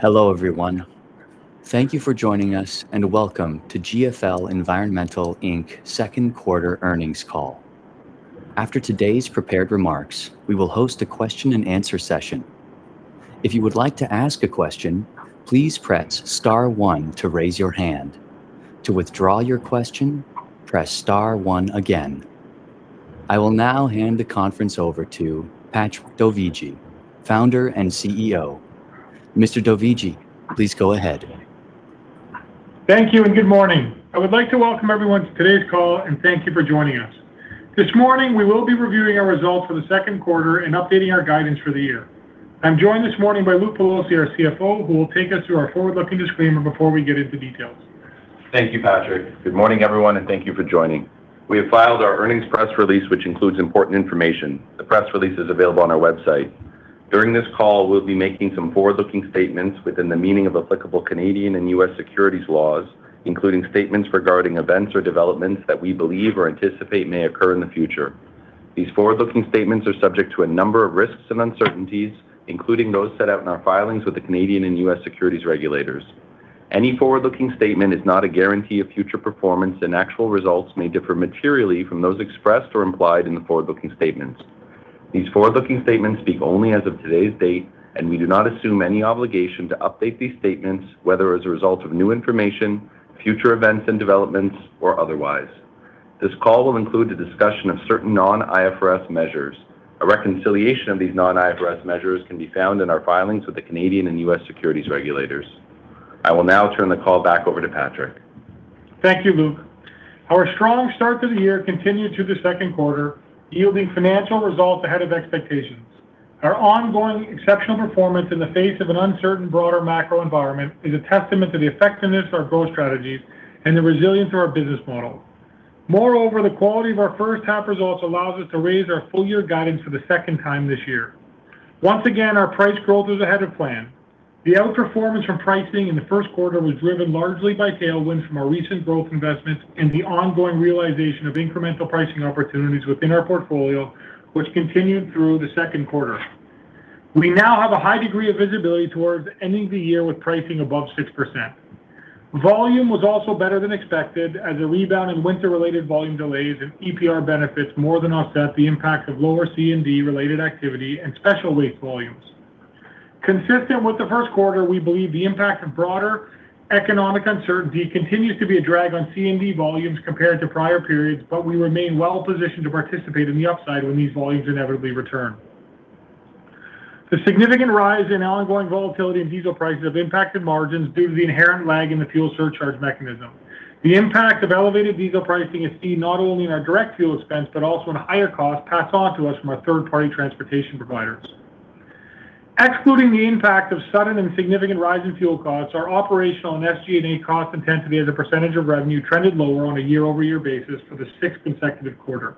Hello, everyone. Thank you for joining us and welcome to GFL Environmental Inc.'s second quarter earnings call. After today's prepared remarks, we will host a question and answer session. If you would like to ask a question, please press star one to raise your hand. To withdraw your question, press star one again. I will now hand the conference over to Patrick Dovigi, Founder and CEO. Mr. Dovigi, please go ahead. Thank you. Good morning. I would like to welcome everyone to today's call and thank you for joining us. This morning, we will be reviewing our results for the second quarter and updating our guidance for the year. I'm joined this morning by Luke Pelosi, our CFO, who will take us through our forward-looking disclaimer before we get into details. Thank you, Patrick. Good morning, everyone. Thank you for joining. We have filed our earnings press release, which includes important information. The press release is available on our website. During this call, we'll be making some forward-looking statements within the meaning of applicable Canadian and U.S. securities laws, including statements regarding events or developments that we believe or anticipate may occur in the future. These forward-looking statements are subject to a number of risks and uncertainties, including those set out in our filings with the Canadian and U.S. securities regulators. Any forward-looking statement is not a guarantee of future performance. Actual results may differ materially from those expressed or implied in the forward-looking statements. These forward-looking statements speak only as of today's date. We do not assume any obligation to update these statements, whether as a result of new information, future events and developments, or otherwise. This call will include a discussion of certain non-IFRS measures. A reconciliation of these non-IFRS measures can be found in our filings with the Canadian and U.S. securities regulators. I will now turn the call back over to Patrick. Thank you, Luke. Our strong start to the year continued through the second quarter, yielding financial results ahead of expectations. Our ongoing exceptional performance in the face of an uncertain broader macro environment is a testament to the effectiveness of our growth strategies and the resilience of our business model. Moreover, the quality of our first half results allows us to raise our full-year guidance for the second time this year. Once again, our price growth is ahead of plan. The outperformance from pricing in the first quarter was driven largely by tailwinds from our recent growth investments and the ongoing realization of incremental pricing opportunities within our portfolio, which continued through the second quarter. We now have a high degree of visibility towards ending the year with pricing above 6%. Volume was also better than expected as a rebound in winter-related volume delays and EPR benefits more than offset the impact of lower C&D-related activity and special waste volumes. Consistent with the first quarter, we believe the impact of broader economic uncertainty continues to be a drag on C&D volumes compared to prior periods, but we remain well-positioned to participate in the upside when these volumes inevitably return. The significant rise in ongoing volatility in diesel prices have impacted margins due to the inherent lag in the fuel surcharge mechanism. The impact of elevated diesel pricing is seen not only in our direct fuel expense but also in higher costs passed on to us from our third-party transportation providers. Excluding the impact of sudden and significant rise in fuel costs, our operational and SG&A cost intensity as a percentage of revenue trended lower on a year-over-year basis for the sixth consecutive quarter.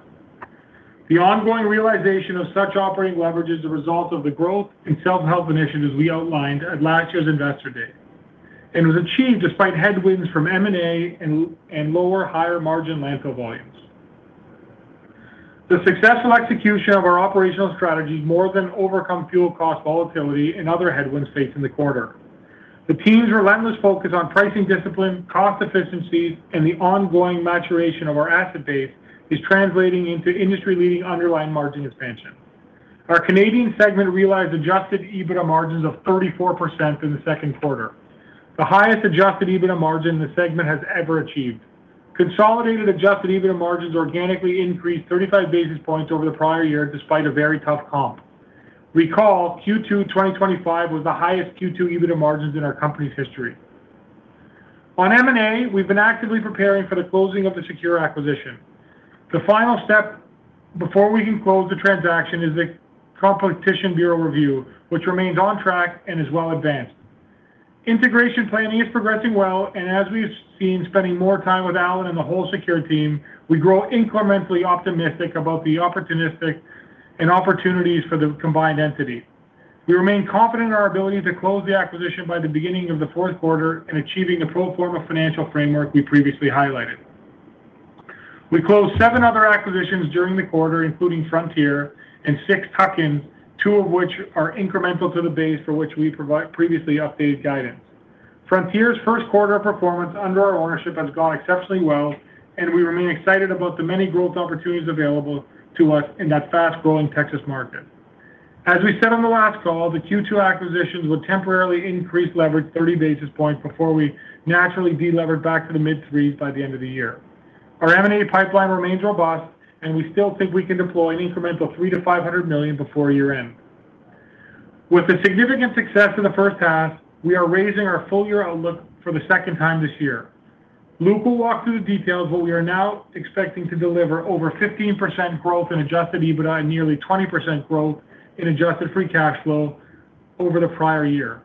The ongoing realization of such operating leverage is a result of the growth and self-help initiatives we outlined at last year's Investor Day. Was achieved despite headwinds from M&A and lower higher-margin landfill volumes. The successful execution of our operational strategies more than overcome fuel cost volatility and other headwinds faced in the quarter. The team's relentless focus on pricing discipline, cost efficiencies, and the ongoing maturation of our asset base is translating into industry-leading underlying margin expansion. Our Canadian segment realized adjusted EBITDA margins of 34% in the second quarter, the highest adjusted EBITDA margin the segment has ever achieved. Consolidated adjusted EBITDA margins organically increased 35 basis points over the prior year, despite a very tough comp. Recall, Q2 2025 was the highest Q2 EBITDA margins in our company's history. On M&A, we've been actively preparing for the closing of the SECURE acquisition. The final step before we can close the transaction is a Competition Bureau review, which remains on track and is well advanced. Integration planning is progressing well, and as we've seen, spending more time with Allen and the whole SECURE team, we grow incrementally optimistic about the opportunistic and opportunities for the combined entity. We remain confident in our ability to close the acquisition by the beginning of the fourth quarter and achieving the pro forma financial framework we previously highlighted. We closed seven other acquisitions during the quarter, including Frontier and six tuck-ins, two of which are incremental to the base for which we previously updated guidance. Frontier's first quarter of performance under our ownership has gone exceptionally well, and we remain excited about the many growth opportunities available to us in that fast-growing Texas market. Our M&A pipeline remains robust, and we still think we can deploy an incremental 300 million-500 million before year-end. With the significant success in the first half, we are raising our full-year outlook for the second time this year. Luke will walk through the details, but we are now expecting to deliver over 15% growth in adjusted EBITDA and nearly 20% growth in adjusted free cash flow over the prior year.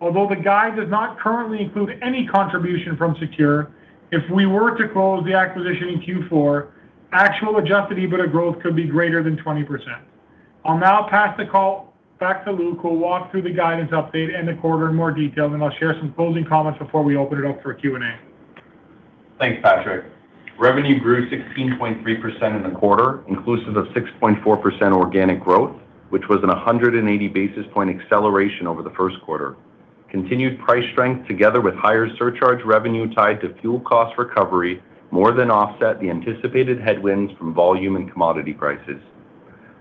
Although the guide does not currently include any contribution from SECURE, if we were to close the acquisition in Q4, actual adjusted EBITDA growth could be greater than 20%. I'll now pass the call back to Luke, who will walk through the guidance update and the quarter in more detail, then I'll share some closing comments before we open it up for Q&A. Thanks, Patrick. Revenue grew 16.3% in the quarter, inclusive of 6.4% organic growth, which was in 180 basis point acceleration over the first quarter. Continued price strength, together with higher surcharge revenue tied to fuel cost recovery, more than offset the anticipated headwinds from volume and commodity prices.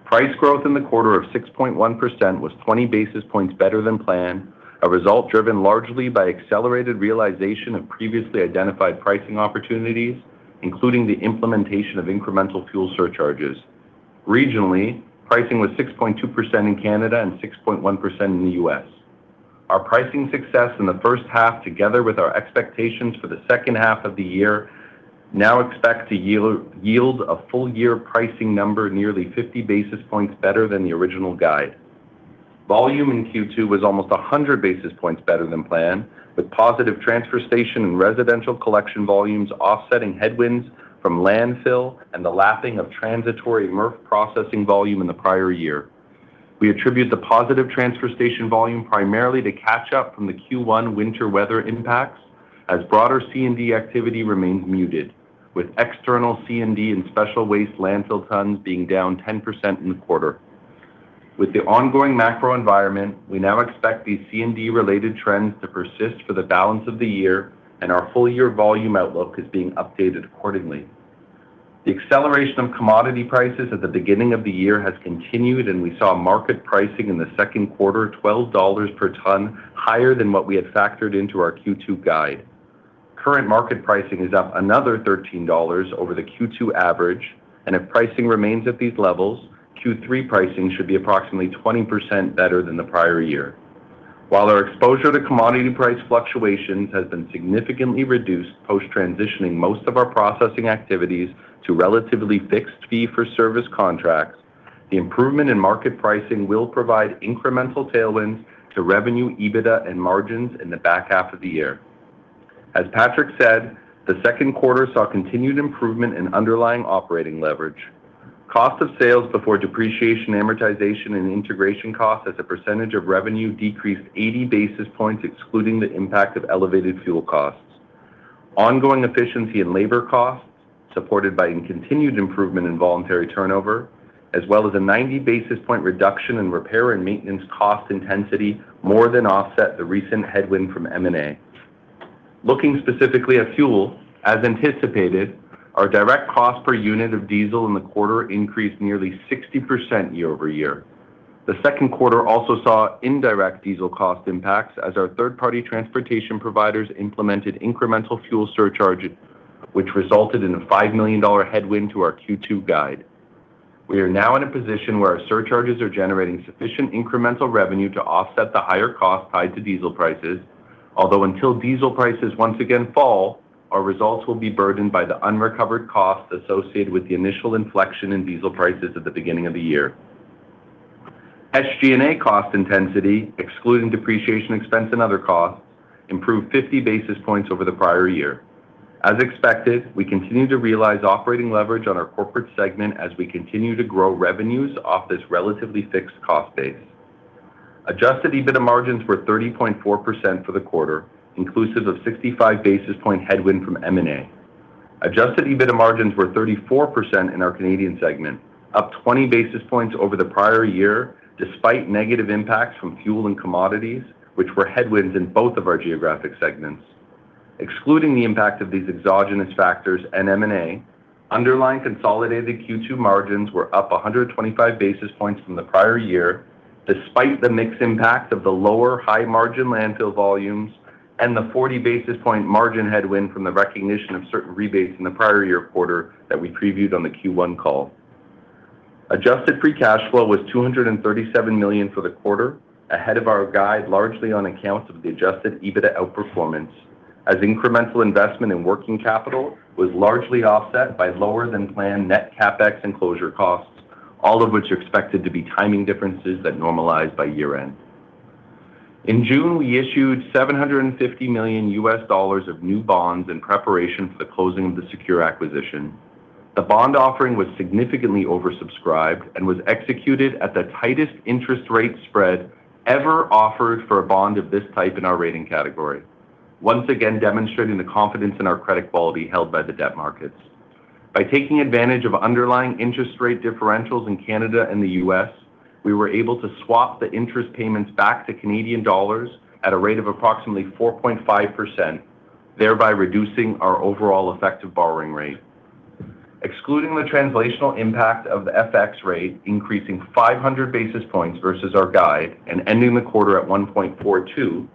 Price growth in the quarter of 6.1% was 20 basis points better than planned, a result driven largely by accelerated realization of previously identified pricing opportunities, including the implementation of incremental fuel surcharges. Regionally, pricing was 6.2% in Canada and 6.1% in the U.S. Our pricing success in the first half, together with our expectations for the second half of the year, now expect to yield a full year pricing number nearly 50 basis points better than the original guide. Volume in Q2 was almost 100 basis points better than planned, with positive transfer station and residential collection volumes offsetting headwinds from landfill and the lapping of transitory MRF processing volume in the prior year. We attribute the positive transfer station volume primarily to catch up from the Q1 winter weather impacts, as broader C&D activity remained muted, with external C&D and special waste landfill tons being down 10% in the quarter. With the ongoing macro environment, we now expect these C&D-related trends to persist for the balance of the year, and our full-year volume outlook is being updated accordingly. The acceleration of commodity prices at the beginning of the year has continued, and we saw market pricing in the second quarter CAD 12 per ton higher than what we had factored into our Q2 guide. Current market pricing is up another 13 dollars over the Q2 average. If pricing remains at these levels, Q3 pricing should be approximately 20% better than the prior year. While our exposure to commodity price fluctuations has been significantly reduced post transitioning most of our processing activities to relatively fixed fee for service contracts, the improvement in market pricing will provide incremental tailwinds to revenue, EBITDA, and margins in the back half of the year. As Patrick said, the second quarter saw continued improvement in underlying operating leverage. Cost of sales before depreciation, amortization, and integration costs as a percentage of revenue decreased 80 basis points, excluding the impact of elevated fuel costs. Ongoing efficiency and labor costs, supported by a continued improvement in voluntary turnover, as well as a 90 basis point reduction in repair and maintenance cost intensity, more than offset the recent headwind from M&A. Looking specifically at fuel, as anticipated, our direct cost per unit of diesel in the quarter increased nearly 60% year-over-year. The second quarter also saw indirect diesel cost impacts as our third-party transportation providers implemented incremental fuel surcharge, which resulted in a 5 million dollar headwind to our Q2 guide. We are now in a position where our surcharges are generating sufficient incremental revenue to offset the higher cost tied to diesel prices. Until diesel prices once again fall, our results will be burdened by the unrecovered costs associated with the initial inflection in diesel prices at the beginning of the year. SG&A cost intensity, excluding depreciation expense and other costs, improved 50 basis points over the prior year. As expected, we continue to realize operating leverage on our corporate segment as we continue to grow revenues off this relatively fixed cost base. Adjusted EBITDA margins were 30.4% for the quarter, inclusive of 65 basis point headwind from M&A. Adjusted EBITDA margins were 34% in our Canadian segment, up 20 basis points over the prior year, despite negative impacts from fuel and commodities, which were headwinds in both of our geographic segments. Excluding the impact of these exogenous factors and M&A, underlying consolidated Q2 margins were up 125 basis points from the prior year, despite the mix impact of the lower high-margin landfill volumes and the 40 basis point margin headwind from the recognition of certain rebates in the prior year quarter that we previewed on the Q1 call. Adjusted free cash flow was 237 million for the quarter, ahead of our guide largely on account of the adjusted EBITDA outperformance, as incremental investment in working capital was largely offset by lower than planned net CapEx and closure costs, all of which are expected to be timing differences that normalize by year-end. In June, we issued $750 million of new bonds in preparation for the closing of the SECURE acquisition. Bond offering was significantly oversubscribed and was executed at the tightest interest rate spread ever offered for a bond of this type in our rating category. Once again demonstrating the confidence in our credit quality held by the debt markets. By taking advantage of underlying interest rate differentials in Canada and the U.S., we were able to swap the interest payments back to Canadian dollars at a rate of approximately 4.5%, thereby reducing our overall effective borrowing rate. Excluding the translational impact of the FX rate increasing 500 basis points versus our guide and ending the quarter at 1.42,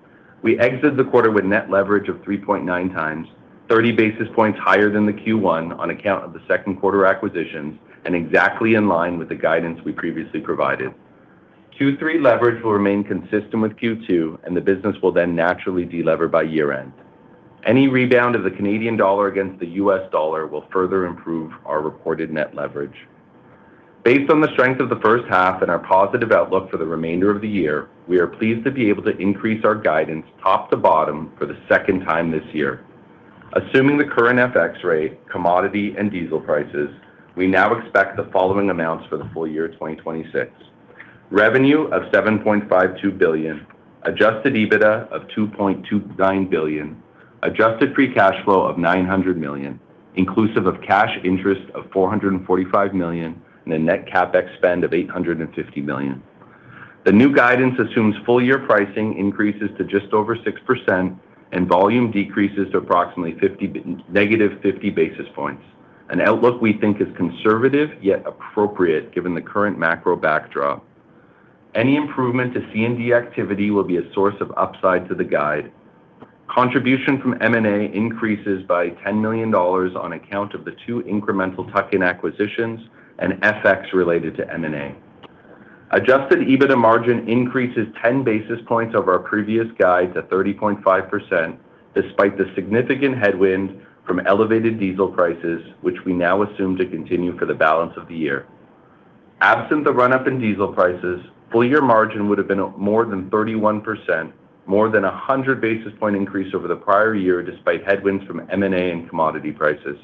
we exit the quarter with net leverage of 3.9x, 30 basis points higher than the Q1 on account of the second quarter acquisitions, and exactly in line with the guidance we previously provided. Q3 leverage will remain consistent with Q2, and the business will then naturally de-lever by year-end. Any rebound of the Canadian dollar against the US dollar will further improve our reported net leverage. Based on the strength of the first half and our positive outlook for the remainder of the year, we are pleased to be able to increase our guidance top to bottom for the second time this year. Assuming the current FX rate, commodity, and diesel prices, we now expect the following amounts for the full year 2026. Revenue of 7.52 billion, adjusted EBITDA of 2.29 billion, adjusted free cash flow of 900 million, inclusive of cash interest of 445 million, and a net CapEx spend of 850 million. The new guidance assumes full year pricing increases to just over 6% and volume decreases to approximately negative 50 basis points. An outlook we think is conservative yet appropriate given the current macro backdrop. Any improvement to C&D activity will be a source of upside to the guide. Contribution from M&A increases by 10 million dollars on account of the two incremental tuck-in acquisitions and FX related to M&A. Adjusted EBITDA margin increases 10 basis points over our previous guide to 30.5%, despite the significant headwind from elevated diesel prices, which we now assume to continue for the balance of the year. Absent the run-up in diesel prices, full year margin would have been more than 31%, more than 100 basis point increase over the prior year, despite headwinds from M&A and commodity prices.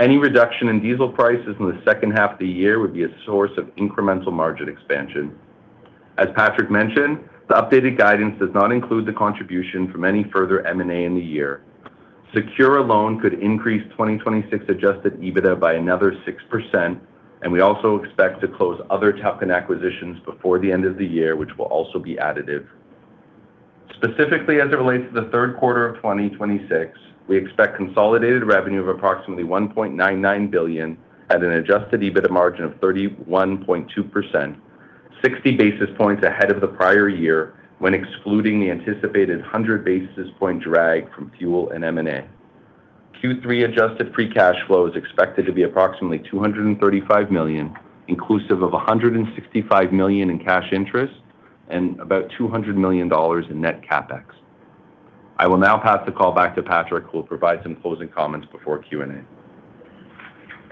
Any reduction in diesel prices in the second half of the year would be a source of incremental margin expansion. As Patrick mentioned, the updated guidance does not include the contribution from any further M&A in the year. SECURE alone could increase 2026 adjusted EBITDA by another 6%, and we also expect to close other tuck-in acquisitions before the end of the year, which will also be additive. Specifically, as it relates to the third quarter of 2026, we expect consolidated revenue of approximately 1.99 billion at an adjusted EBITDA margin of 31.2%, 60 basis points ahead of the prior year, when excluding the anticipated 100 basis point drag from fuel and M&A. Q3 adjusted free cash flow is expected to be approximately 235 million, inclusive of 165 million in cash interest and about 200 million dollars in net CapEx. I will now pass the call back to Patrick, who will provide some closing comments before Q&A.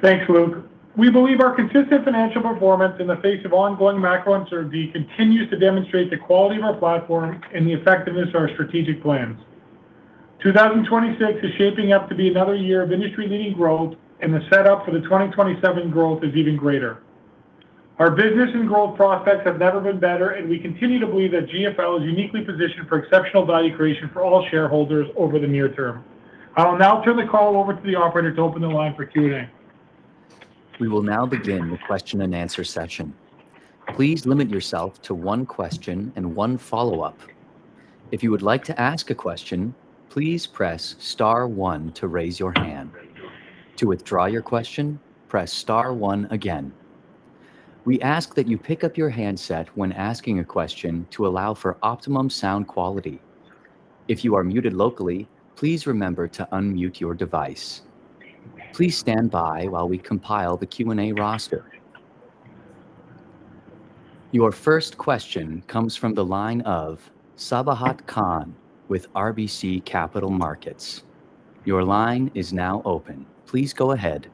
Thanks, Luke. We believe our consistent financial performance in the face of ongoing macro uncertainty continues to demonstrate the quality of our platform and the effectiveness of our strategic plans. 2026 is shaping up to be another year of industry-leading growth, and the setup for the 2027 growth is even greater. Our business and growth prospects have never been better, and we continue to believe that GFL is uniquely positioned for exceptional value creation for all shareholders over the near term. I will now turn the call over to the operator to open the line for Q&A. We will now begin the question and answer session. Please limit yourself to one question and one follow-up. If you would like to ask a question, please press star one to raise your hand. To withdraw your question, press star one again. We ask that you pick up your handset when asking a question to allow for optimum sound quality. If you are muted locally, please remember to unmute your device. Please stand by while we compile the Q&A roster. Your first question comes from the line of Sabahat Khan with RBC Capital Markets. Your line is now open. Please go ahead.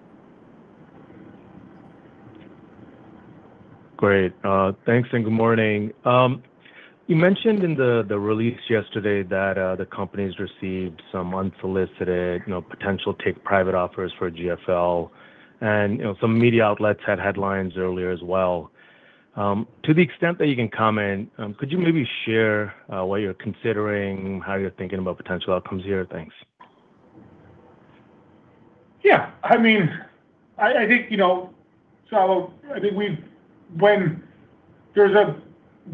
Great. Thanks. Good morning. You mentioned in the release yesterday that the company's received some unsolicited potential take-private offers for GFL, and some media outlets had headlines earlier as well. To the extent that you can comment, could you maybe share what you're considering, how you're thinking about potential outcomes here? Thanks. Yeah. I think when there's a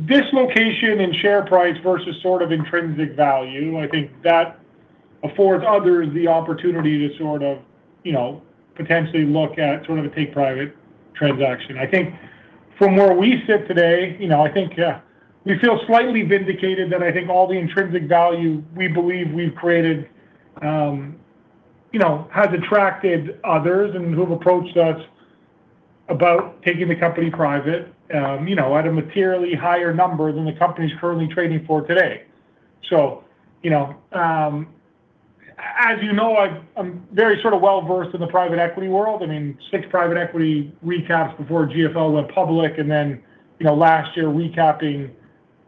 dislocation in share price versus intrinsic value, I think that affords others the opportunity to potentially look at a take-private transaction. I think from where we sit today, I think we feel slightly vindicated that I think all the intrinsic value we believe we've created has attracted others and who've approached us about taking the company private at a materially higher number than the company's currently trading for today. As you know, I'm very well-versed in the private equity world. Six private equity recaps before GFL went public, and then last year recapping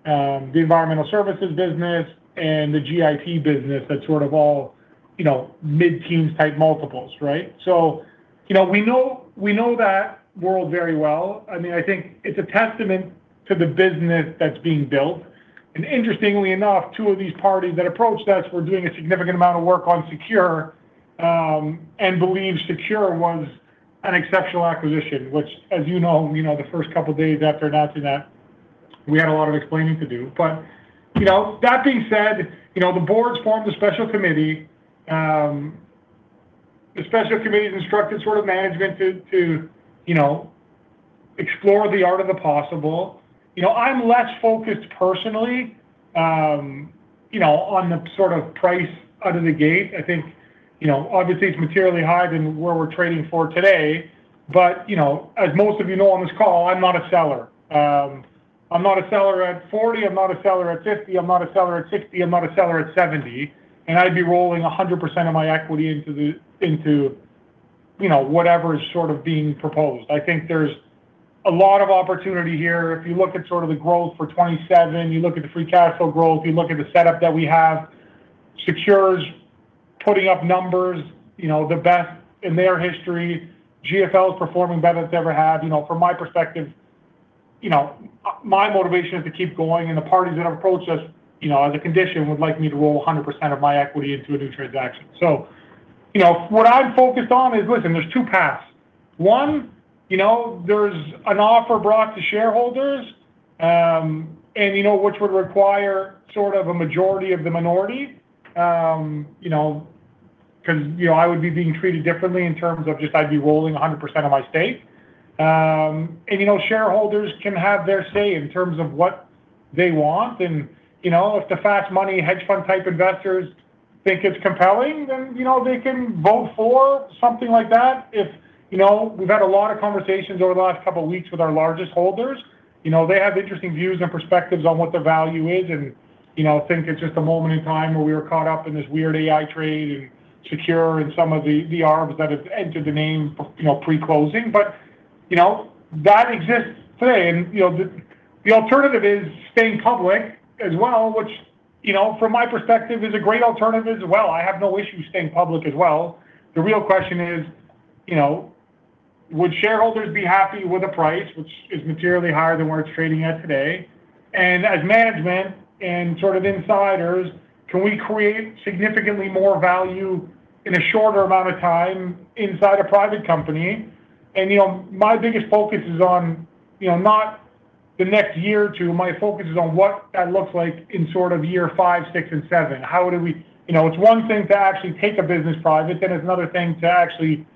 the Environmental Services business and the GIP business, that's all mid-teens type multiples, right? We know that world very well. I think it's a testament to the business that's being built. Interestingly enough, two of these parties that approached us were doing a significant amount of work on SECURE and believe SECURE was an exceptional acquisition, which as you know, the first couple of days after announcing that, we had a lot of explaining to do. That being said, the boards formed a special committee. The special committee has instructed management to explore the art of the possible. I'm less focused personally on the price out of the gate. I think obviously it's materially higher than where we're trading for today. As most of you know on this call, I'm not a seller. I'm not a seller at 40, I'm not a seller at 50, I'm not a seller at 60, I'm not a seller at 70, and I'd be rolling 100% of my equity into whatever is being proposed. I think there's a lot of opportunity here. If you look at the growth for 2027, you look at the free cash flow growth, you look at the setup that we have SECURE's putting up numbers, the best in their history. GFL is performing better than it's ever had. From my perspective, my motivation is to keep going, and the parties that have approached us, as a condition, would like me to roll 100% of my equity into a new transaction. What I'm focused on is, listen, there's two paths. One, there's an offer brought to shareholders, which would require sort of a majority of the minority, because I would be being treated differently in terms of just I'd be rolling 100% of my stake. Shareholders can have their say in terms of what they want, and if the fast money hedge fund type investors think it's compelling, then they can vote for something like that. We've had a lot of conversations over the last couple of weeks with our largest holders. They have interesting views and perspectives on what the value is and think it's just a moment in time where we were caught up in this weird AI trade and SECURE and some of the arms that have entered the name pre-closing. That exists today, and the alternative is staying public as well, which from my perspective is a great alternative as well. I have no issue staying public as well. The real question is, would shareholders be happy with a price which is materially higher than where it's trading at today? As management and sort of insiders, can we create significantly more value in a shorter amount of time inside a private company? My biggest focus is on not the next year or two. My focus is on what that looks like in sort of year five, six and seven. It's one thing to actually take a business private, then it's another thing to actually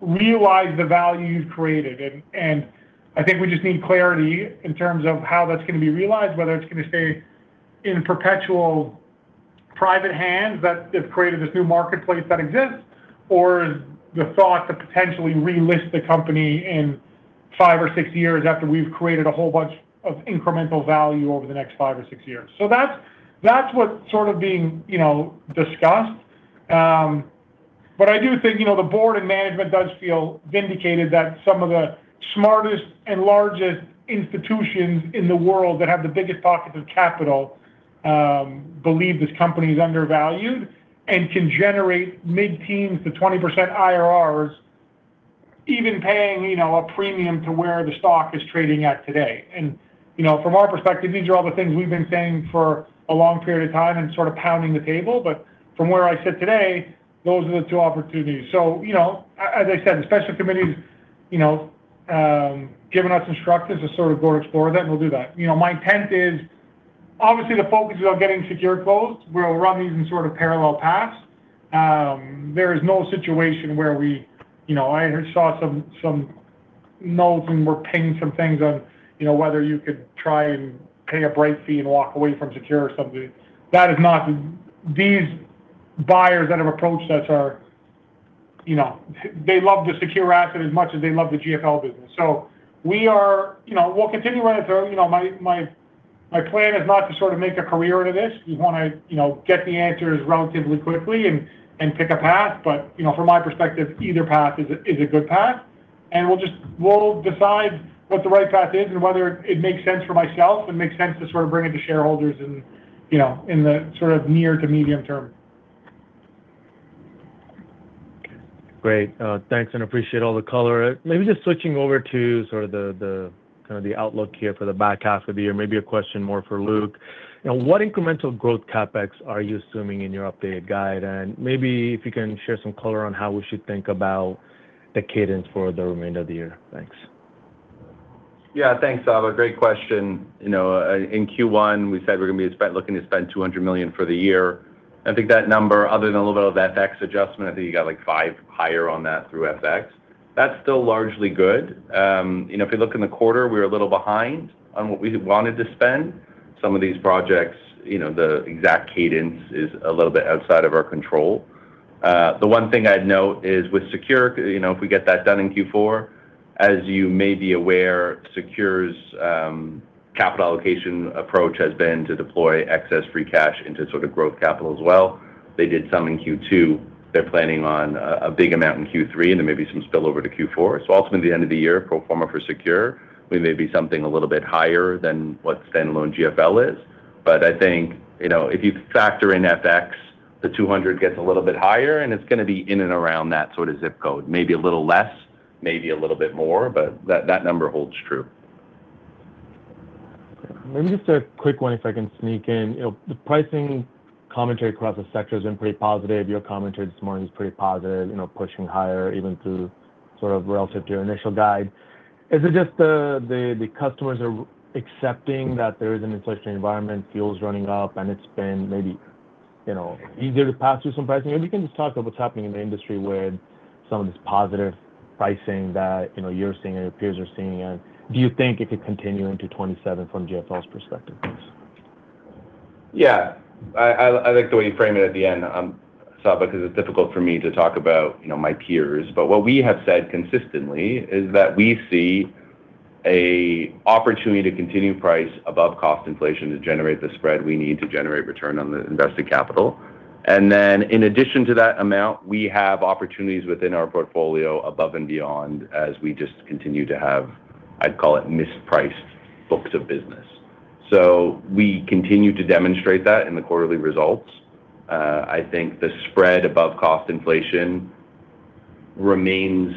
realize the value you've created. I think we just need clarity in terms of how that's going to be realized, whether it's going to stay in perpetual private hands that have created this new marketplace that exists, or the thought to potentially relist the company in five or six years after we've created a whole bunch of incremental value over the next five or six years. That's what's sort of being discussed. I do think the board and management does feel vindicated that some of the smartest and largest institutions in the world that have the biggest pockets of capital believe this company is undervalued and can generate mid-teens to 20% IRRs, even paying a premium to where the stock is trading at today. From our perspective, these are all the things we've been saying for a long period of time and sort of pounding the table. From where I sit today, those are the two opportunities. As I said, the special committee's given us instructions to sort of go explore that, and we'll do that. My intent is obviously the focus is on getting SECURE closed. We'll run these in sort of parallel paths. There is no situation where I saw some notes and were pinging some things on whether you could try and pay a break fee and walk away from SECURE or something. These buyers that have approached us are. They love the SECURE asset as much as they love the GFL business. We'll continue to let it go. My plan is not to sort of make a career out of this. We want to get the answers relatively quickly and pick a path. From my perspective, either path is a good path, and we'll decide what the right path is and whether it makes sense for myself and makes sense to sort of bring it to shareholders in the sort of near to medium term. Great. Thanks, appreciate all the color. Maybe just switching over to sort of the outlook here for the back half of the year. Maybe a question more for Luke. What incremental growth CapEx are you assuming in your updated guide? Maybe if you can share some color on how we should think about the cadence for the remainder of the year. Thanks. Yeah. Thanks, Saba. Great question. In Q1, we said we're going to be looking to spend 200 million for the year. I think that number, other than a little bit of FX adjustment, I think you got like 5 higher on that through FX. That's still largely good. If you look in the quarter, we're a little behind on what we wanted to spend. Some of these projects, the exact cadence is a little bit outside of our control. The one thing I'd note is with SECURE, if we get that done in Q4, as you may be aware, SECURE's capital allocation approach has been to deploy excess free cash into sort of growth capital as well. They did some in Q2. They're planning on a big amount in Q3. There may be some spillover to Q4. Ultimately, the end of the year pro forma for SECURE, we may be something a little bit higher than what standalone GFL is. I think if you factor in FX, the 200 gets a little bit higher and it's going to be in and around that sort of zip code, maybe a little less, maybe a little bit more, but that number holds true. Maybe just a quick one if I can sneak in. The pricing commentary across the sector has been pretty positive. Your commentary this morning is pretty positive, pushing higher even through sort of relative to your initial guide. Is it just the customers are accepting that there is an inflationary environment, fuel's running up and it's been maybe easier to pass through some pricing? If you can just talk about what's happening in the industry with some of this positive pricing that you're seeing and your peers are seeing. Do you think it could continue into 2027 from GFL's perspective? Yeah, I like the way you frame it at the end, Saba, because it's difficult for me to talk about my peers. What we have said consistently is that we see a opportunity to continue price above cost inflation to generate the spread we need to generate return on the invested capital. In addition to that amount, we have opportunities within our portfolio above and beyond as we just continue to have I'd call it mispriced books of business. We continue to demonstrate that in the quarterly results. I think the spread above cost inflation remains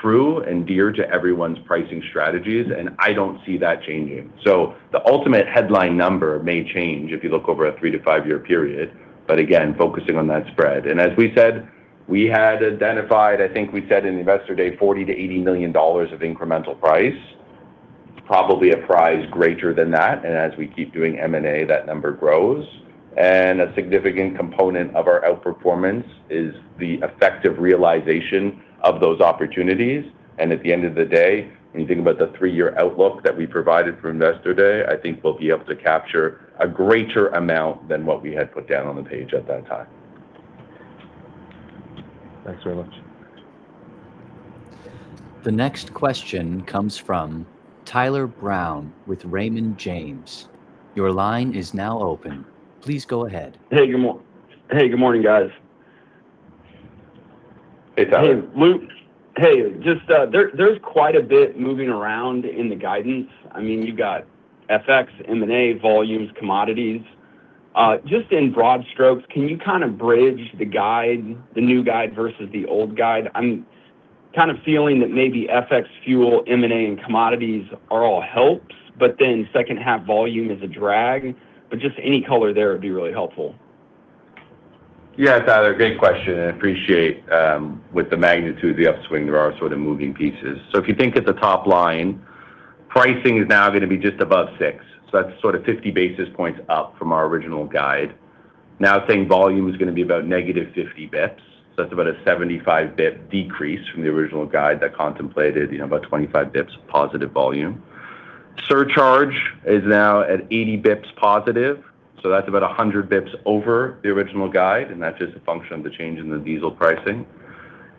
true and dear to everyone's pricing strategies, and I don't see that changing. The ultimate headline number may change if you look over a three- to five-year period, but again, focusing on that spread. As we said, we had identified, I think we said in Investor Day, 40 million-80 million dollars of incremental price, probably a price greater than that. As we keep doing M&A, that number grows. A significant component of our outperformance is the effective realization of those opportunities. At the end of the day, when you think about the three-year outlook that we provided for Investor Day, I think we'll be able to capture a greater amount than what we had put down on the page at that time. Thanks very much. The next question comes from Tyler Brown with Raymond James. Your line is now open. Please go ahead. Hey, good morning, guys. Hey, Tyler. Hey, Luke. There's quite a bit moving around in the guidance. You got FX, M&A, volumes, commodities. Just in broad strokes, can you kind of bridge the guide, the new guide versus the old guide? I'm kind of feeling that maybe FX, fuel, M&A, and commodities are all helps, but second half volume is a drag. Just any color there would be really helpful. Tyler, great question, and appreciate with the magnitude of the upswing, there are sort of moving pieces. If you think at the top line, pricing is now going to be just above six. That's sort of 50 basis points up from our original guide. Now saying volume is going to be about negative 50 basis points. That's about a 75 basis points decrease from the original guide that contemplated about 25 basis points positive volume. Surcharge is now at 80 basis points positive. That's about 100 basis points over the original guide, and that's just a function of the change in the diesel pricing.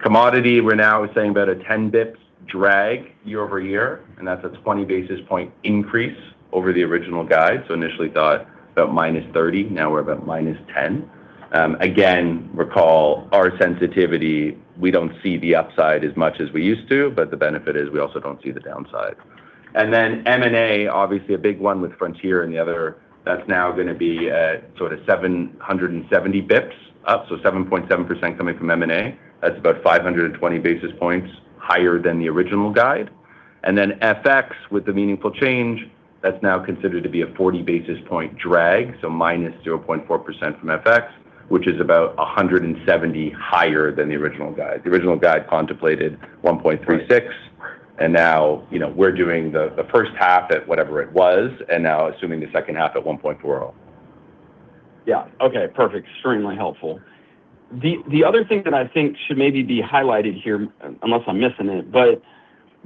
Commodity, we're now saying about a 10 basis points drag year-over-year, and that's a 20 basis point increase over the original guide. Initially thought about -30, now we're about -10. Again, recall our sensitivity. We don't see the upside as much as we used to, but the benefit is we also don't see the downside. M&A, obviously a big one with Frontier and the other, that's now going to be at sort of 770 basis points up, so 7.7% coming from M&A. That's about 520 basis points higher than the original guide. FX with the meaningful change, that's now considered to be a 40 basis point drag, so -0.4% from FX, which is about 170 higher than the original guide. The original guide contemplated 1.36, and now we're doing the first half at whatever it was, and now assuming the second half at 1.4. Okay, perfect. Extremely helpful. The other thing that I think should maybe be highlighted here, unless I'm missing it, but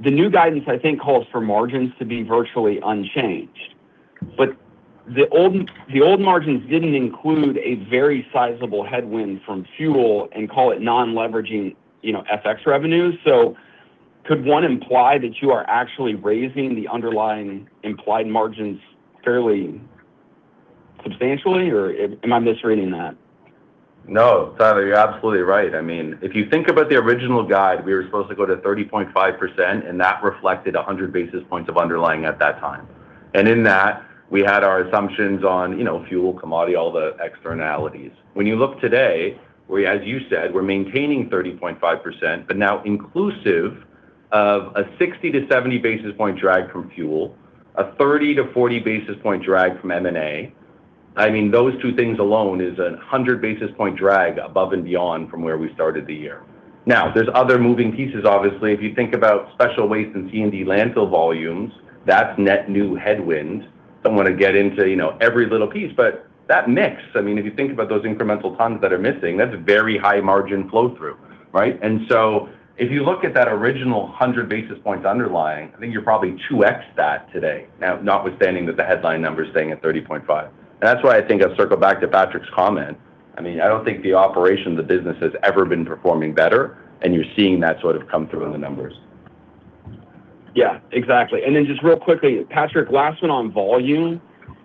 the new guidance I think calls for margins to be virtually unchanged. The old margins didn't include a very sizable headwind from fuel and call it non-leveraging FX revenues. Could one imply that you are actually raising the underlying implied margins fairly substantially, or am I misreading that? No, Tyler, you're absolutely right. If you think about the original guide, we were supposed to go to 30.5%, that reflected 100 basis points of underlying at that time. In that, we had our assumptions on fuel, commodity, all the externalities. When you look today, we, as you said, we're maintaining 30.5%, but now inclusive of a 60-70 basis point drag from fuel, a 30-40 basis point drag from M&A. Those two things alone is a 100 basis point drag above and beyond from where we started the year. There's other moving pieces, obviously. If you think about special waste and C&D landfill volumes, that's net new headwind. Don't want to get into every little piece, but that mix, if you think about those incremental tons that are missing, that's very high margin flow through. Right? If you look at that original 100 basis points underlying, I think you're probably 2x that today. Notwithstanding that the headline number is staying at 30.5. That's why I think I'll circle back to Patrick's comment. I don't think the operation of the business has ever been performing better, and you're seeing that sort of come through in the numbers. Yeah, exactly. Just real quickly, Patrick, last one on volume.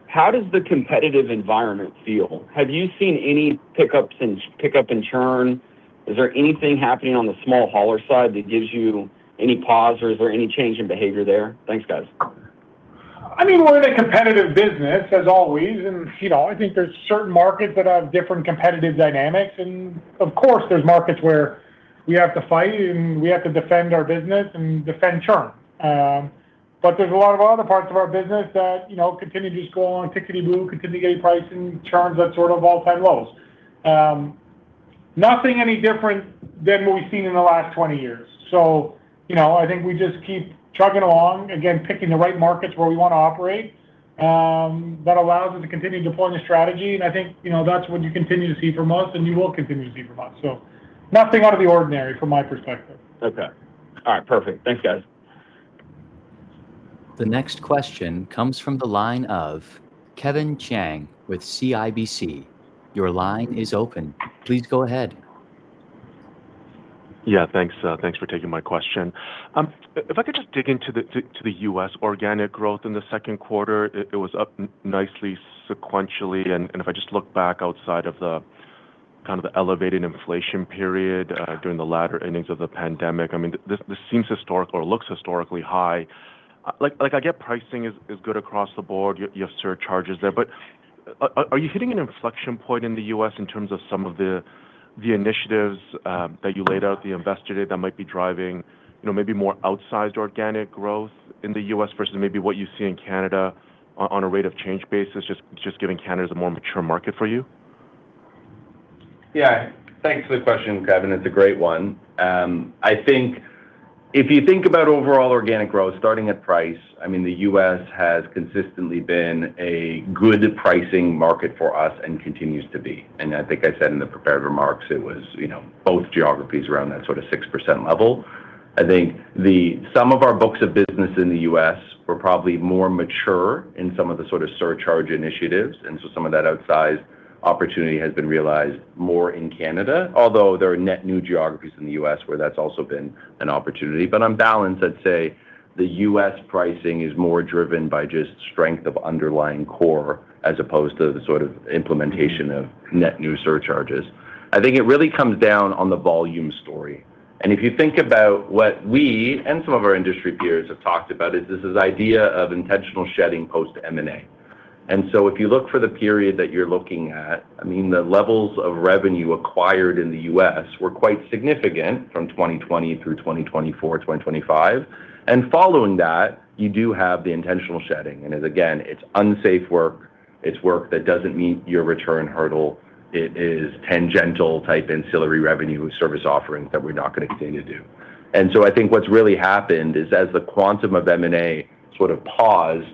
How does the competitive environment feel? Have you seen any pickup in churn? Is there anything happening on the small hauler side that gives you any pause, or is there any change in behavior there? Thanks, guys. We're in a competitive business as always, and I think there's certain markets that have different competitive dynamics. Of course, there's markets where we have to fight and we have to defend our business and defend churn. There's a lot of other parts of our business that continue to just go along tickety-boo, continue getting pricing churns at sort of all-time lows. Nothing any different than what we've seen in the last 20 years. I think we just keep chugging along, again, picking the right markets where we want to operate. That allows us to continue deploying the strategy, and I think that's what you continue to see from us, and you will continue to see from us. Nothing out of the ordinary from my perspective. Okay. All right. Perfect. Thanks, guys. The next question comes from the line of Kevin Chiang with CIBC. Your line is open. Please go ahead. Yeah. Thanks for taking my question. If I could just dig into the U.S. organic growth in the second quarter, it was up nicely sequentially, and if I just look back outside of the Kind of the elevated inflation period during the latter innings of the pandemic. This seems historical or looks historically high. I get pricing is good across the board, you have surcharges there, but are you hitting an inflection point in the U.S. in terms of some of the initiatives that you laid out, the Investor Day that might be driving maybe more outsized organic growth in the U.S. versus maybe what you see in Canada on a rate of change basis, just giving Canada is a more mature market for you? Yeah. Thanks for the question, Kevin. It's a great one. I think if you think about overall organic growth starting at price, the U.S. has consistently been a good pricing market for us and continues to be. I think I said in the prepared remarks, it was both geographies around that sort of 6% level. I think some of our books of business in the U.S. were probably more mature in some of the sort of surcharge initiatives, so some of that outsized opportunity has been realized more in Canada, although there are net new geographies in the U.S. where that's also been an opportunity. On balance, I'd say the U.S. pricing is more driven by just strength of underlying core as opposed to the sort of implementation of net new surcharges. I think it really comes down on the volume story. If you think about what we and some of our industry peers have talked about is this idea of intentional shedding post M&A. If you look for the period that you're looking at, the levels of revenue acquired in the U.S. were quite significant from 2020 through 2024, 2025. Following that, you do have the intentional shedding, and again, it's unsafe work, it's work that doesn't meet your return hurdle. It is tangential type ancillary revenue service offerings that we're not going to continue to do. I think what's really happened is as the quantum of M&A sort of paused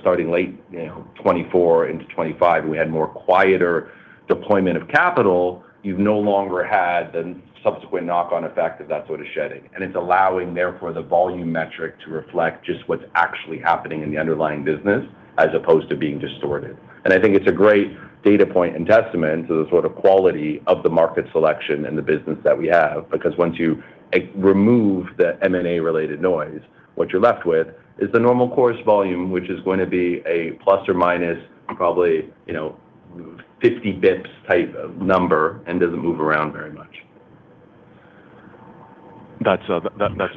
starting late 2024 into 2025, and we had more quieter deployment of capital. You've no longer had the subsequent knock-on effect of that sort of shedding, and it's allowing therefore the volume metric to reflect just what's actually happening in the underlying business as opposed to being distorted. I think it's a great data point and testament to the sort of quality of the market selection and the business that we have. Because once you remove the M&A related noise, what you're left with is the normal course volume, which is going to be a ±50 basis points type of number and doesn't move around very much. That's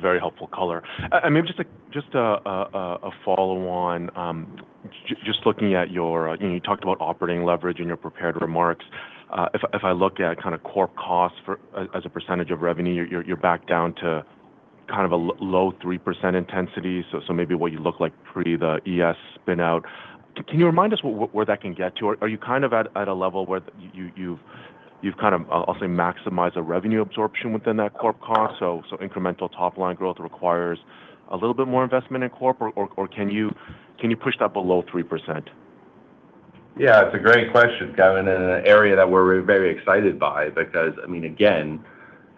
very helpful color. Maybe just a follow on. You talked about operating leverage in your prepared remarks. If I look at kind of core costs as a percentage of revenue, you're back down to kind of a low 3% intensity. Maybe what you look like pre the ES spin out. Can you remind us where that can get to? Are you kind of at a level where you've kind of, I'll say, maximize the revenue absorption within that corp cost? Incremental top line growth requires a little bit more investment in corp, or can you push that below 3%? Yeah, it's a great question, Kevin, and an area that we're very excited by because, again,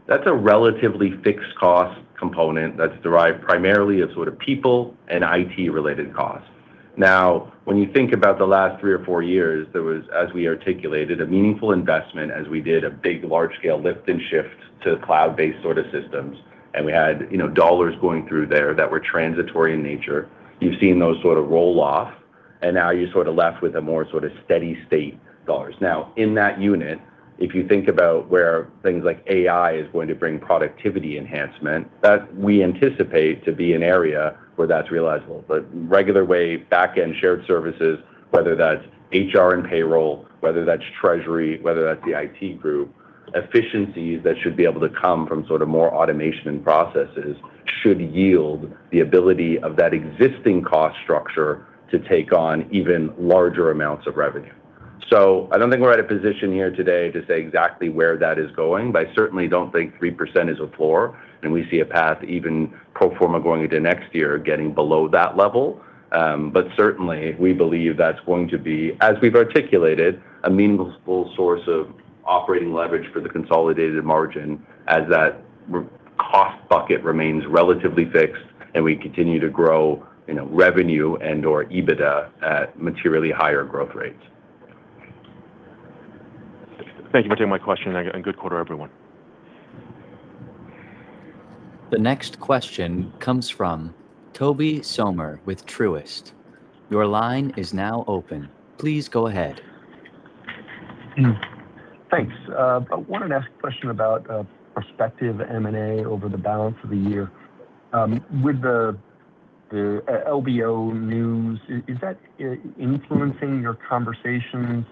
that's a relatively fixed cost component that's derived primarily of sort of people and IT related costs. Now, when you think about the last three or four years, there was, as we articulated, a meaningful investment as we did a big large scale lift and shift to cloud based sort of systems, and we had dollars going through there that were transitory in nature. You've seen those sort of roll off, and now you're sort of left with a more sort of steady state dollars. Now, in that unit, if you think about where things like AI is going to bring productivity enhancement, that we anticipate to be an area where that's realizable. Regular way back end shared services, whether that's HR and payroll, whether that's treasury, whether that's the IT group, efficiencies that should be able to come from sort of more automation and processes should yield the ability of that existing cost structure to take on even larger amounts of revenue. I don't think we're at a position here today to say exactly where that is going, but I certainly don't think 3% is a floor, and we see a path even pro forma going into next year getting below that level. Certainly we believe that's going to be, as we've articulated, a meaningful source of operating leverage for the consolidated margin as that cost bucket remains relatively fixed and we continue to grow revenue and/or EBITDA at materially higher growth rates. Thank you for taking my question and good quarter, everyone. The next question comes from Tobey Sommer with Truist. Your line is now open. Please go ahead. Thanks. I wanted to ask a question about perspective M&A over the balance of the year. With the LBO news, is that influencing your conversations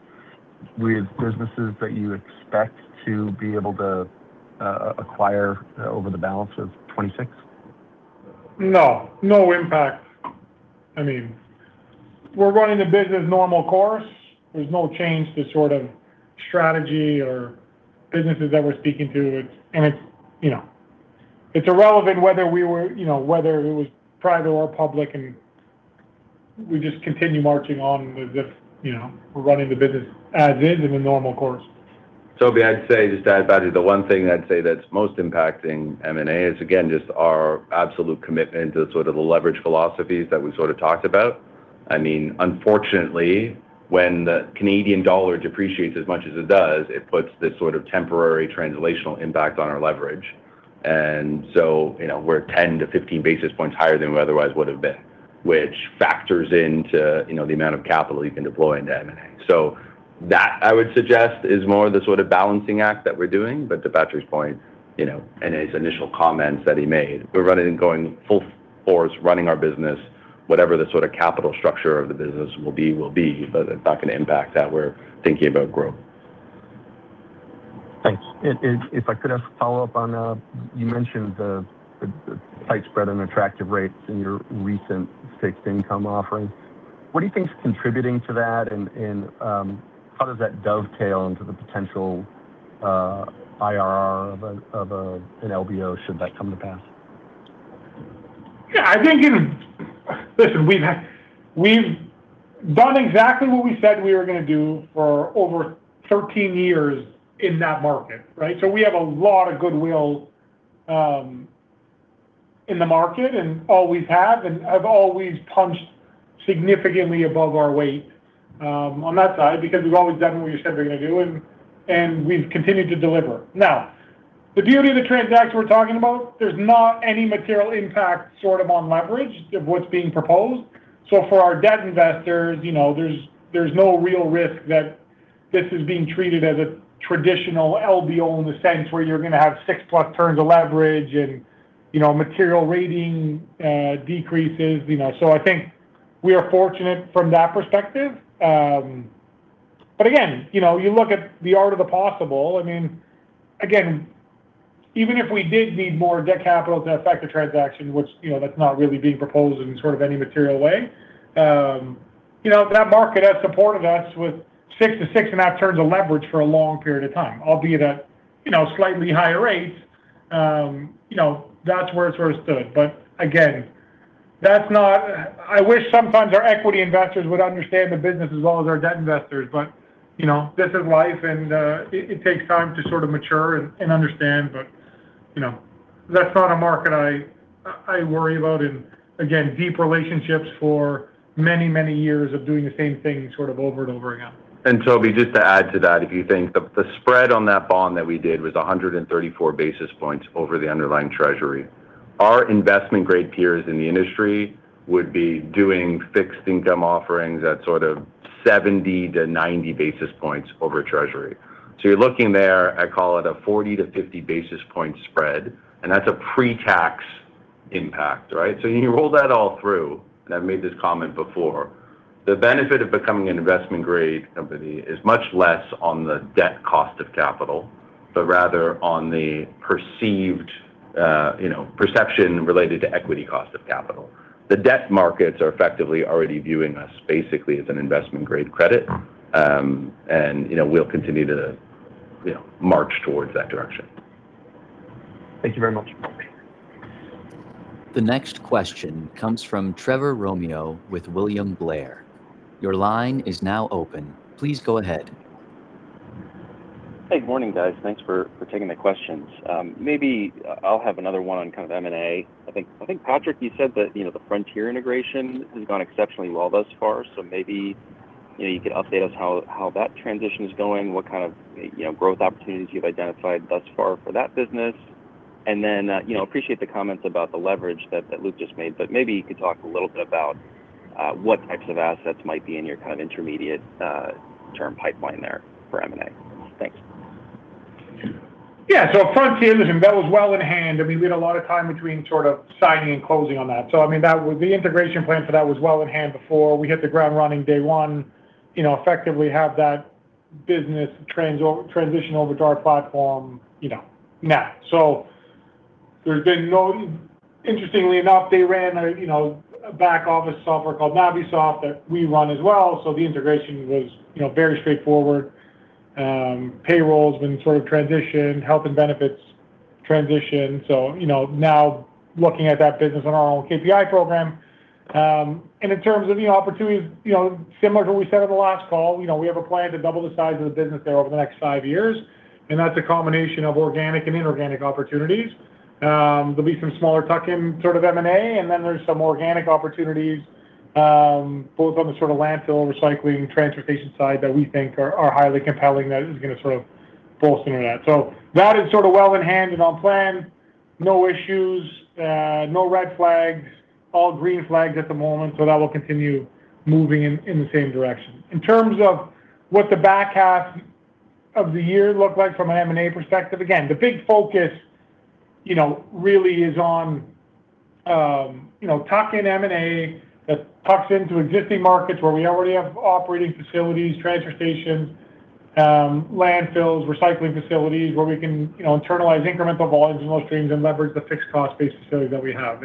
with businesses that you expect to be able to acquire over the balance of 2026? No. No impact. We're running the business normal course. There's no change to sort of strategy or businesses that we're speaking to. It's irrelevant whether it was private or public, we just continue marching on as if we're running the business as is in the normal course. Tobey, just to add value, the one thing I'd say that's most impacting M&A is, again, just our absolute commitment to sort of the leverage philosophies that we sort of talked about. Unfortunately, when the Canadian dollar depreciates as much as it does, it puts this sort of temporary translational impact on our leverage. We're 10-15 basis points higher than we otherwise would've been, which factors into the amount of capital you can deploy into M&A. That, I would suggest, is more of the sort of balancing act that we're doing. To Patrick's point and his initial comments that he made, we're running and going full force, running our business. Whatever the sort of capital structure of the business will be, will be. It's not going to impact that we're thinking about growth. Thanks. If I could ask a follow-up on, you mentioned the tight spread and attractive rates in your recent fixed income offering. What do you think is contributing to that? How does that dovetail into the potential IRR of an LBO should that come to pass? Yeah. Listen, we've done exactly what we said we were going to do for over 13 years in that market, right? We have a lot of goodwill in the market and always have always punched significantly above our weight on that side because we've always done what we said we're going to do, we've continued to deliver. Now, the beauty of the transaction we're talking about, there's not any material impact sort of on leverage of what's being proposed. For our debt investors, there's no real risk that this is being treated as a traditional LBO in the sense where you're going to have six-plus turns of leverage and material rating decreases. I think we are fortunate from that perspective. Again, you look at the art of the possible. Even if we did need more debt capital to affect a transaction, which that's not really being proposed in any material way. That market has supported us with 6 to 6.5 turns of leverage for a long period of time, albeit at slightly higher rates. That's where it's stood. I wish sometimes our equity investors would understand the business as well as our debt investors, but this is life and it takes time to sort of mature and understand. That's not a market I worry about in, again, deep relationships for many, many years of doing the same thing sort of over and over again. Tobey, just to add to that. If you think the spread on that bond that we did was 134 basis points over the underlying Treasury. Our investment-grade peers in the industry would be doing fixed income offerings at sort of 70 to 90 basis points over Treasury. You're looking there, I call it a 40 to 50 basis point spread, and that's a pre-tax impact, right. When you roll that all through, and I've made this comment before, the benefit of becoming an investment-grade company is much less on the debt cost of capital, but rather on the perception related to equity cost of capital. The debt markets are effectively already viewing us basically as an investment-grade credit. We'll continue to march towards that direction. Thank you very much. The next question comes from Trevor Romeo with William Blair. Your line is now open. Please go ahead. Hey, good morning, guys. Thanks for taking my questions. Maybe I'll have another one on M&A. I think, Patrick, you said that the Frontier integration has gone exceptionally well thus far. Maybe you could update us how that transition is going, what growth opportunities you've identified thus far for that business. Appreciate the comments about the leverage that Luke just made, maybe you could talk a little bit about what types of assets might be in your intermediate term pipeline there for M&A. Thanks. Yeah. Frontier, listen, that was well in hand. We had a lot of time between signing and closing on that. The integration plan for that was well in hand before. We hit the ground running day one, effectively have that business transition over to our platform now. Interestingly enough, they ran a back-office software called NaviSoft that we run as well. The integration was very straightforward. Payroll's been transitioned, health and benefits transitioned. Now looking at that business on our own KPI program. In terms of new opportunities, similar to what we said on the last call, we have a plan to double the size of the business there over the next five years, that's a combination of organic and inorganic opportunities. There'll be some smaller tuck-in M&A, there's some organic opportunities both on the landfill and recycling, transportation side that we think are highly compelling that is going to bolster that. That is well in hand and on plan. No issues, no red flags, all green flags at the moment. That will continue moving in the same direction. In terms of what the back half of the year look like from an M&A perspective, again, the big focus really is on tuck-in M&A that tucks into existing markets where we already have operating facilities, transfer stations, landfills, recycling facilities, where we can internalize incremental volumes in those streams and leverage the fixed cost base facilities that we have.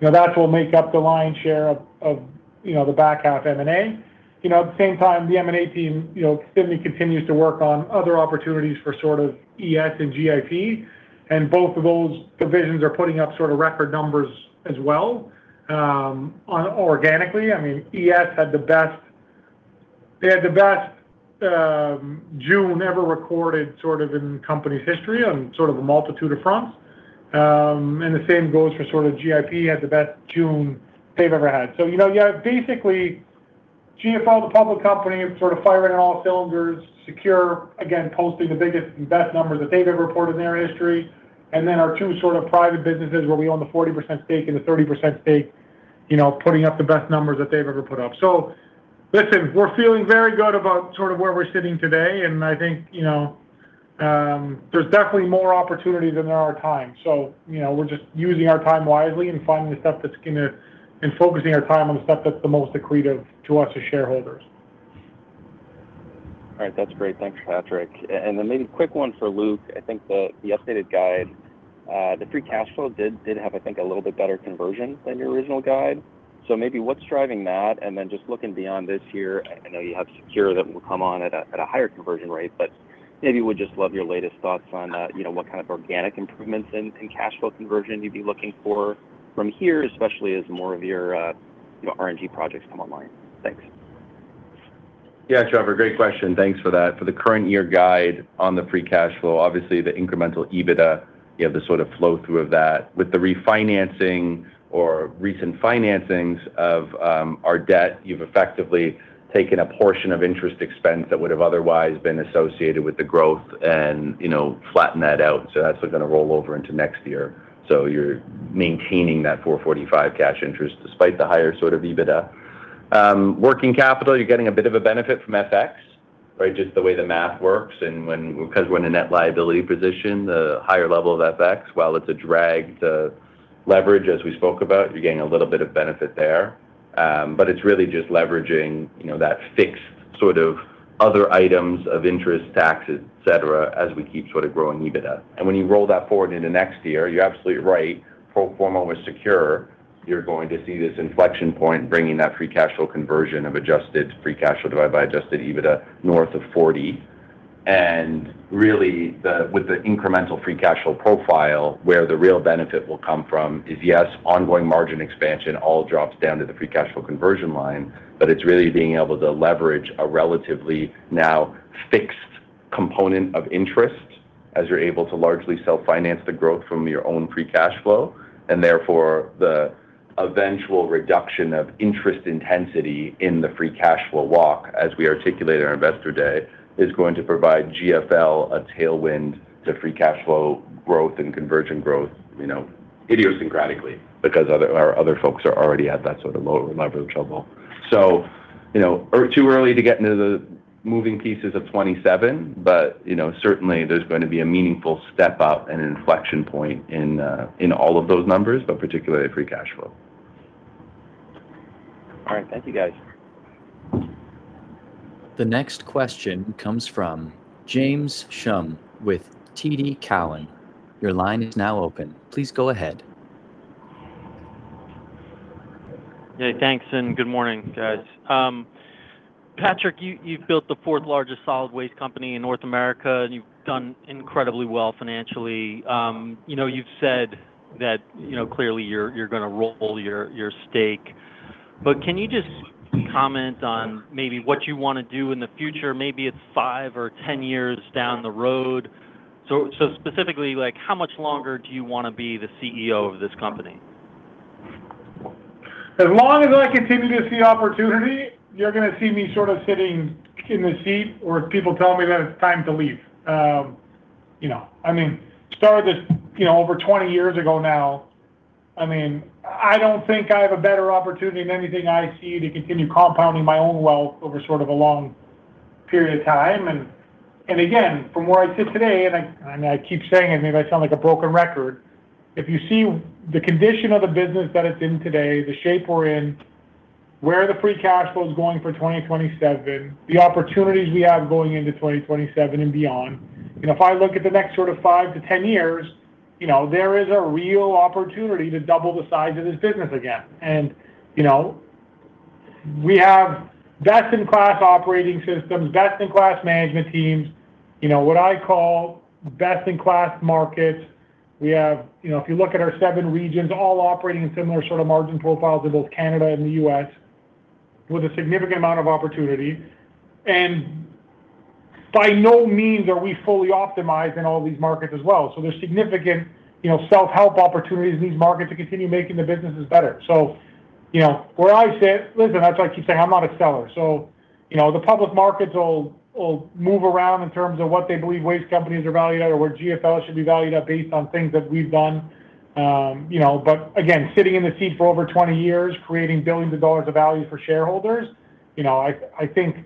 That will make up the lion's share of the back half M&A. At the same time, the M&A team certainly continues to work on other opportunities for ES and GIP, both of those divisions are putting up record numbers as well organically. ES had the best June ever recorded in the company's history on a multitude of fronts. The same goes for GIP, had the best June they've ever had. You have basically GFL, the public company, is firing on all cylinders. SECURE, again, posting the biggest and best numbers that they've ever reported in their history. Our two private businesses where we own the 40% stake and the 30% stake, putting up the best numbers that they've ever put up. Listen, we're feeling very good about where we're sitting today, and I think there's definitely more opportunity than there are time. We're just using our time wisely and finding the stuff that's focusing our time on the stuff that's the most accretive to us as shareholders. All right. That's great. Thanks, Patrick. Maybe a quick one for Luke. I think the updated guide, the free cash flow did have, I think, a little bit better conversion than your original guide. Maybe what's driving that? Just looking beyond this year, I know you have SECURE that will come on at a higher conversion rate, but maybe would just love your latest thoughts on what kind of organic improvements in cash flow conversion you'd be looking for from here, especially as more of your RNG projects come online. Thanks. Yeah, Trevor, great question. Thanks for that. For the current year guide on the free cash flow, obviously the incremental EBITDA, you have the sort of flow through of that. With the refinancing or recent financings of our debt, you've effectively taken a portion of interest expense that would've otherwise been associated with the growth and flattened that out. That's what's going to roll over into next year. You're maintaining that 445 cash interest despite the higher sort of EBITDA. Working capital, you're getting a bit of a benefit from FX, right? Just the way the math works, because we're in a net liability position, the higher level of FX, while it's a drag to leverage, as we spoke about, you're getting a little bit of benefit there. It's really just leveraging that fixed sort of other items of interest, taxes, etc, as we keep sort of growing EBITDA. When you roll that forward into next year, you're absolutely right, pro forma with SECURE, you're going to see this inflection point, bringing that free cash flow conversion of adjusted free cash flow divide by adjusted EBITDA north of 40%. Really, with the incremental free cash flow profile, where the real benefit will come from is, yes, ongoing margin expansion all drops down to the free cash flow conversion line, but it's really being able to leverage a relatively now fixed component of interest as you're able to largely self-finance the growth from your own free cash flow. Therefore, the eventual reduction of interest intensity in the free cash flow walk, as we articulated in our Investor Day, is going to provide GFL a tailwind to free cash flow growth and conversion growth, idiosyncratically, because our other folks are already at that sort of lower leverage level. Too early to get into the moving pieces of 2027, but certainly there's going to be a meaningful step-up and inflection point in all of those numbers, but particularly free cash flow. All right. Thank you guys. The next question comes from James Schumm with TD Cowen. Your line is now open. Please go ahead. Yeah. Thanks, and good morning, guys. Patrick, you've built the fourth-largest solid waste company in North America, and you've done incredibly well financially. You've said that clearly you're going to roll your stake. But can you just comment on maybe what you want to do in the future? Maybe it's 5 or 10 years down the road. Specifically, how much longer do you want to be the CEO of this company? As long as I continue to see opportunity, you're going to see me sort of sitting in the seat, or if people tell me that it's time to leave. I started this over 20 years ago now. I don't think I have a better opportunity in anything I see to continue compounding my own wealth over a long period of time. Again, from where I sit today, and I keep saying it, maybe I sound like a broken record, if you see the condition of the business that it's in today, the shape we're in, where the free cash flow's going for 2027, the opportunities we have going into 2027 and beyond, if I look at the next sort of 5 to 10 years, there is a real opportunity to double the size of this business again. We have best-in-class operating systems, best-in-class management teams. What I call best-in-class markets. If you look at our seven regions, all operating in similar sort of margin profiles in both Canada and the U.S., with a significant amount of opportunity. By no means are we fully optimized in all these markets as well. There's significant self-help opportunities in these markets to continue making the businesses better. Where I sit, listen, that's why I keep saying I'm not a seller. The public markets will move around in terms of what they believe waste companies are valued at or where GFL should be valued at based on things that we've done. Again, sitting in the seat for over 20 years, creating billions of CAD of value for shareholders, I think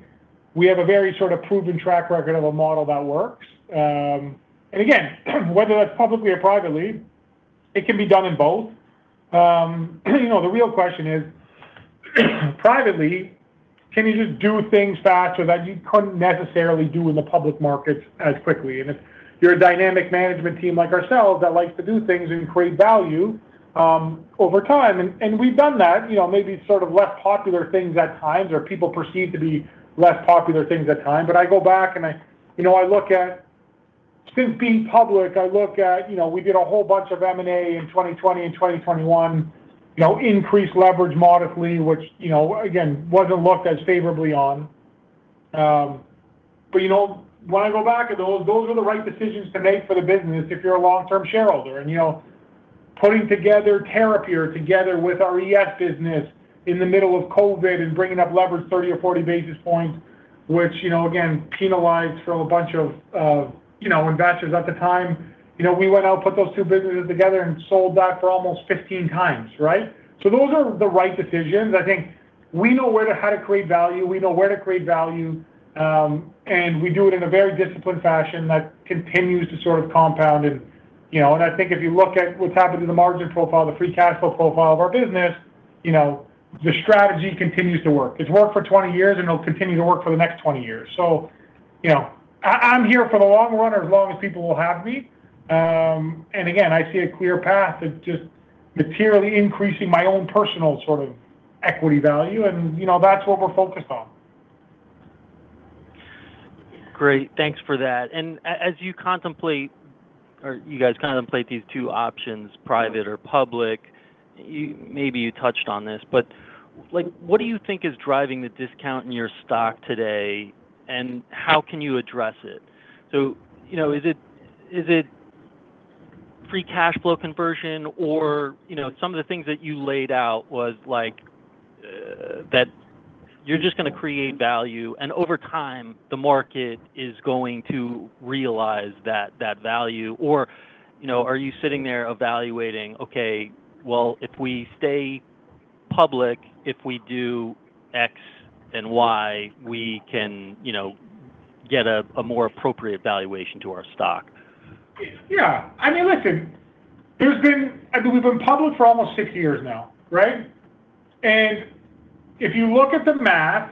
we have a very sort of proven track record of a model that works. Again, whether that's publicly or privately, it can be done in both. The real question is privately, can you just do things faster that you couldn't necessarily do in the public markets as quickly? If you're a dynamic management team like ourselves that likes to do things and create value over time, and we've done that, maybe sort of less popular things at times, or people perceive to be less popular things at times, but I go back and I look at since being public, I look at, we did a whole bunch of M&A in 2020 and 2021, increased leverage moderately, which again, wasn't looked as favorably on. When I go back, those are the right decisions to make for the business if you're a long-term shareholder. Putting together Terrapure together with our ES business in the middle of COVID and bringing up leverage 30 or 40 basis points, which again, penalized from a bunch of investors at the time. We went out, put those two businesses together, and sold that for almost 15x, right? Those are the right decisions. I think we know how to create value, we know where to create value, and we do it in a very disciplined fashion that continues to compound. I think if you look at what's happened to the margin profile, the free cash flow profile of our business, the strategy continues to work. It's worked for 20 years, and it'll continue to work for the next 20 years. I'm here for the long run or as long as people will have me. I see a clear path of just materially increasing my own personal equity value. That's what we're focused on. Great. Thanks for that. As you contemplate or you guys contemplate these two options, private or public, maybe you touched on this, but what do you think is driving the discount in your stock today, and how can you address it? Is it free cash flow conversion or some of the things that you laid out was that you're just going to create value, and over time the market is going to realize that value? Are you sitting there evaluating, okay, well, if we stay public, if we do X and Y, we can get a more appropriate valuation to our stock? Yeah. Listen, we've been public for almost six years now, right? If you look at the math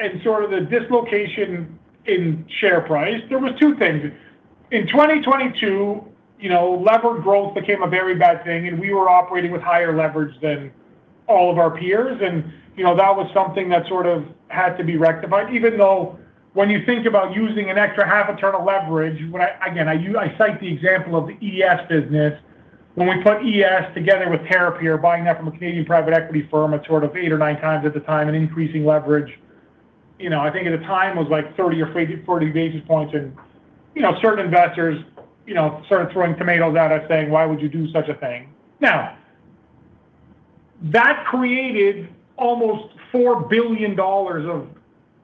and the dislocation in share price, there was two things. In 2022, levered growth became a very bad thing, and we were operating with higher leverage than all of our peers. That was something that had to be rectified. Even though when you think about using an extra half a turn of leverage, again, I cite the example of the ES business. When we put ES together with Terrapure, buying that from a Canadian private equity firm at eight or nine times at the time and increasing leverage, I think at the time it was like 30 or 40 basis points. Certain investors started throwing tomatoes at us saying, "Why would you do such a thing?" Now, that created almost 4 billion dollars of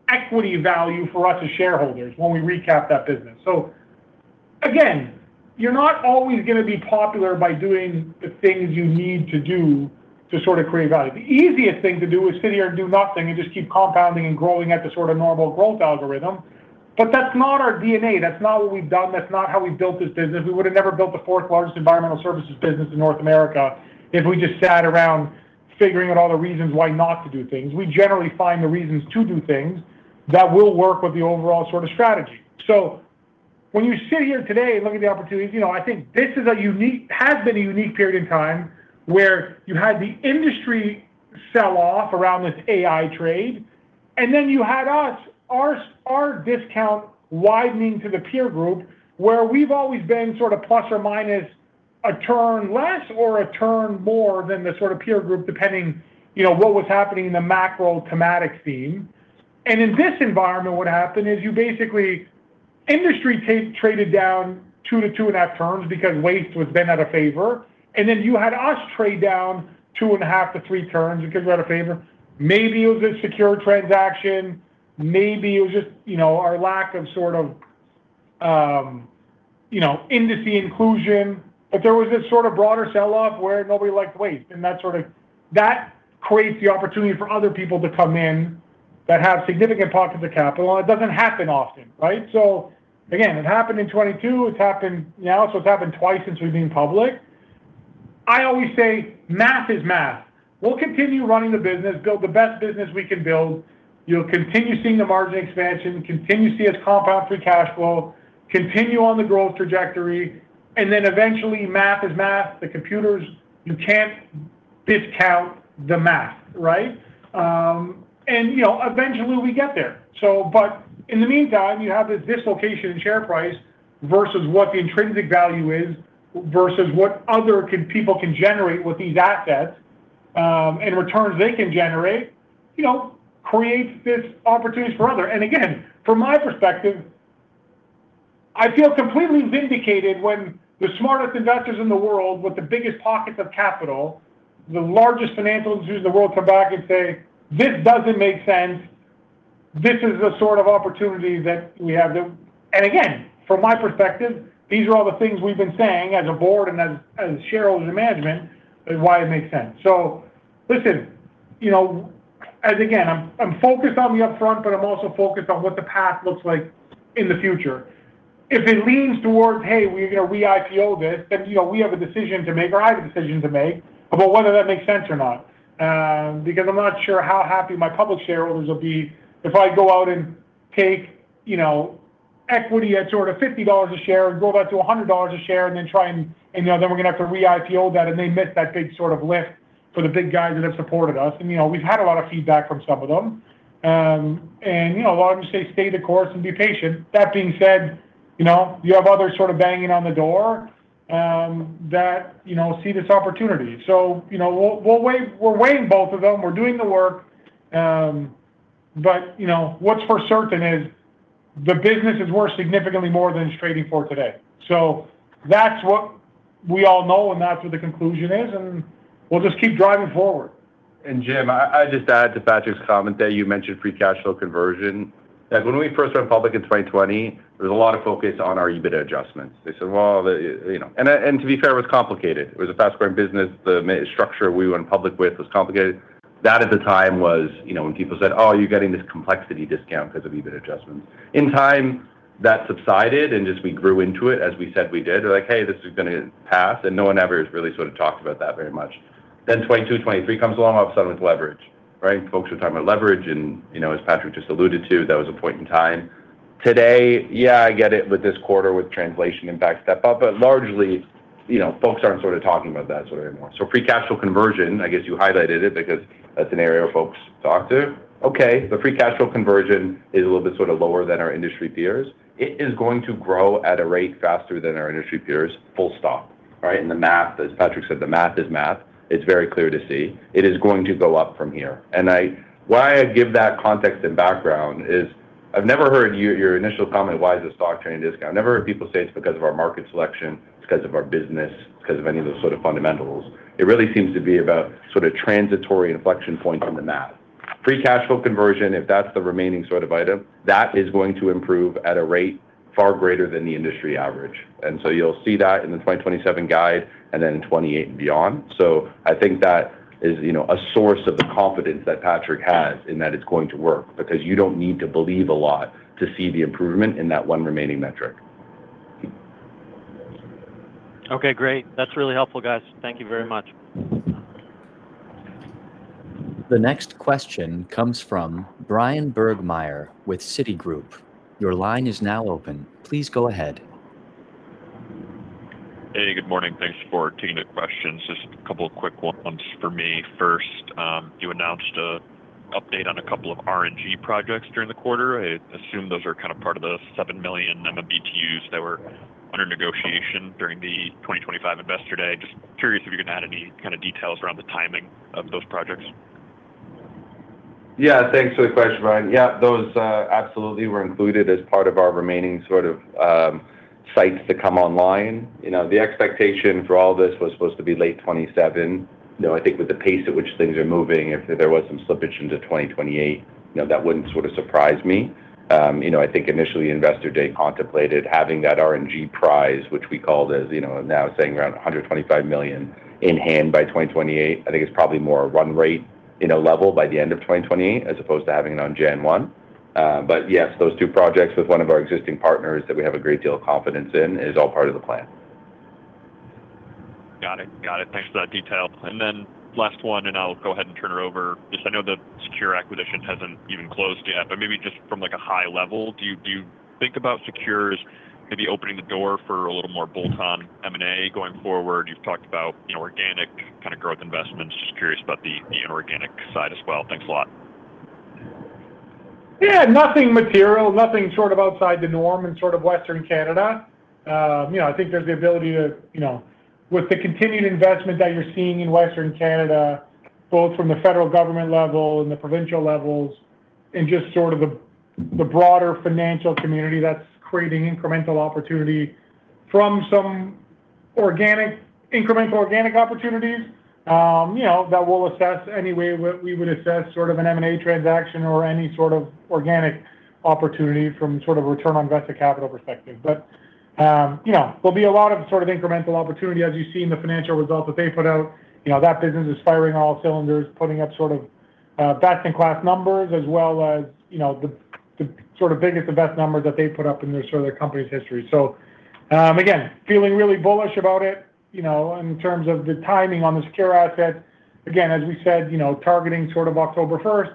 equity value for us as shareholders when we recapped that business. Again, you're not always going to be popular by doing the things you need to do to create value. The easiest thing to do is sit here and do nothing and just keep compounding and growing at the normal growth algorithm. That's not our DNA. That's not what we've done. That's not how we've built this business. We would have never built the fourth largest Environmental Services business in North America if we just sat around figuring out all the reasons why not to do things. We generally find the reasons to do things that will work with the overall strategy. When you sit here today and look at the opportunities, I think this has been a unique period in time where you had the industry sell-off around this AI trade, then you had us, our discount widening to the peer group, where we've always been plus or minus a turn less or a turn more than the peer group depending what was happening in the macro thematic theme. In this environment, what happened is you basically, industry traded down 2 to 2.5 turns because waste was then out of favor. Then you had us trade down 2.5 to 3 turns because we're out of favor. Maybe it was a SECURE transaction, maybe it was just our lack of industry inclusion. There was this broader sell-off where nobody liked waste, that creates the opportunity for other people to come in that have significant pockets of capital. It doesn't happen often, right? Again, it happened in 2022, it's happened now, it's happened twice since we've been public. I always say math is math. We'll continue running the business, build the best business we can build. You'll continue seeing the margin expansion, continue to see us compound free cash flow, continue on the growth trajectory, eventually math is math. The computers, you can't discount the math, right? Eventually we get there. In the meantime, you have this dislocation in share price versus what the intrinsic value is, versus what other people can generate with these assets, and returns they can generate, creates this opportunity for other. Again, from my perspective, I feel completely vindicated when the smartest investors in the world with the biggest pockets of capital, the largest financial institutes in the world come back and say, "This doesn't make sense." This is the sort of opportunity that we have. Again, from my perspective, these are all the things we've been saying as a board and as shareholders and management, and why it makes sense. Listen, again, I'm focused on the upfront, but I'm also focused on what the path looks like in the future. If it leans towards, hey, we IPO this, then we have a decision to make, or I have a decision to make about whether that makes sense or not. I'm not sure how happy my public shareholders will be if I go out and take equity at 50 dollars a share and go back to 100 dollars a share. We're going to have to re-IPO that, they miss that big lift for the big guys that have supported us. We've had a lot of feedback from some of them. A lot of them say, "Stay the course and be patient." That being said, you have others banging on the door, that see this opportunity. We're weighing both of them. We're doing the work, but what's for certain is the business is worth significantly more than it's trading for today. That's what we all know, that's what the conclusion is, we'll just keep driving forward. Jim, I just add to Patrick's comment that you mentioned free cash flow conversion. When we first went public in 2020, there was a lot of focus on our EBIT adjustments. They said, "Well," and to be fair, it was complicated. It was a fast-growing business. The structure we went public with was complicated. At the time was, when people said, "Oh, you're getting this complexity discount because of EBIT adjustments." In time, that subsided, we grew into it, as we said we did. They're like, "Hey, this is going to pass." No one ever has really talked about that very much. 2022, 2023 comes along, all of a sudden it's leverage. Right. Folks are talking about leverage, as Patrick just alluded to, that was a point in time. Today, I get it with this quarter with translation and back step up, largely, folks aren't talking about that anymore. Free cash flow conversion, I guess you highlighted it because that's an area folks talk to. The free cash flow conversion is a little bit lower than our industry peers. It is going to grow at a rate faster than our industry peers, full stop. Right. The math, as Patrick said, the math is math. It's very clear to see. It is going to go up from here. Why I give that context and background is I've never heard your initial comment, why is the stock trading discount? I've never heard people say it's because of our market selection, it's because of our business, it's because of any of those fundamentals. It really seems to be about transitory inflection points in the math. Free cash flow conversion, if that's the remaining item, that is going to improve at a rate far greater than the industry average. You'll see that in the 2027 guide and then in 2028 and beyond. I think that is a source of the confidence that Patrick has in that it's going to work because you don't need to believe a lot to see the improvement in that one remaining metric. Great. That's really helpful, guys. Thank you very much. The next question comes from Bryan Burgmeier with Citigroup. Your line is now open. Please go ahead. Hey, good morning. Thanks for taking the questions. Just a couple of quick ones for me. First, you announced a update on a couple of RNG projects during the quarter. I assume those are kind of part of the 7 million MMBtu that were under negotiation during the 2025 Investor Day. Just curious if you can add any kind of details around the timing of those projects. Yeah, thanks for the question, Bryan. Yeah, those, absolutely were included as part of our remaining sort of, sites to come online. The expectation for all this was supposed to be late 2027. I think with the pace at which things are moving, if there was some slippage into 2028, that wouldn't surprise me. I think initially, Investor Day contemplated having that RNG prize, which we called as, now sitting around 125 million in hand by 2028. I think it's probably more a run rate in a level by the end of 2028 as opposed to having it on January 1. Yes, those two projects with one of our existing partners that we have a great deal of confidence in is all part of the plan. Got it. Thanks for that detail. Then last one, and I'll go ahead and turn it over. Just I know the SECURE acquisition hasn't even closed yet, but maybe just from a high level, do you think about SECURE as maybe opening the door for a little more bolt-on M&A going forward? You've talked about organic kind of growth investments. Just curious about the inorganic side as well. Thanks a lot. Yeah, nothing material, nothing sort of outside the norm in sort of Western Canada. I think there's the ability to, with the continued investment that you're seeing in Western Canada, both from the Federal government level and the provincial levels and just sort of the broader financial community that's creating incremental opportunity from some incremental organic opportunities, that we'll assess any way we would assess sort of an M&A transaction or any sort of organic opportunity from a return on invested capital perspective. There'll be a lot of incremental opportunity, as you see in the financial results that they put out. That business is firing all cylinders, putting up best in class numbers as well as the biggest and best numbers that they've put up in their company's history. Again, feeling really bullish about it, in terms of the timing on the SECURE asset. Again, as we said, targeting sort of October 1st,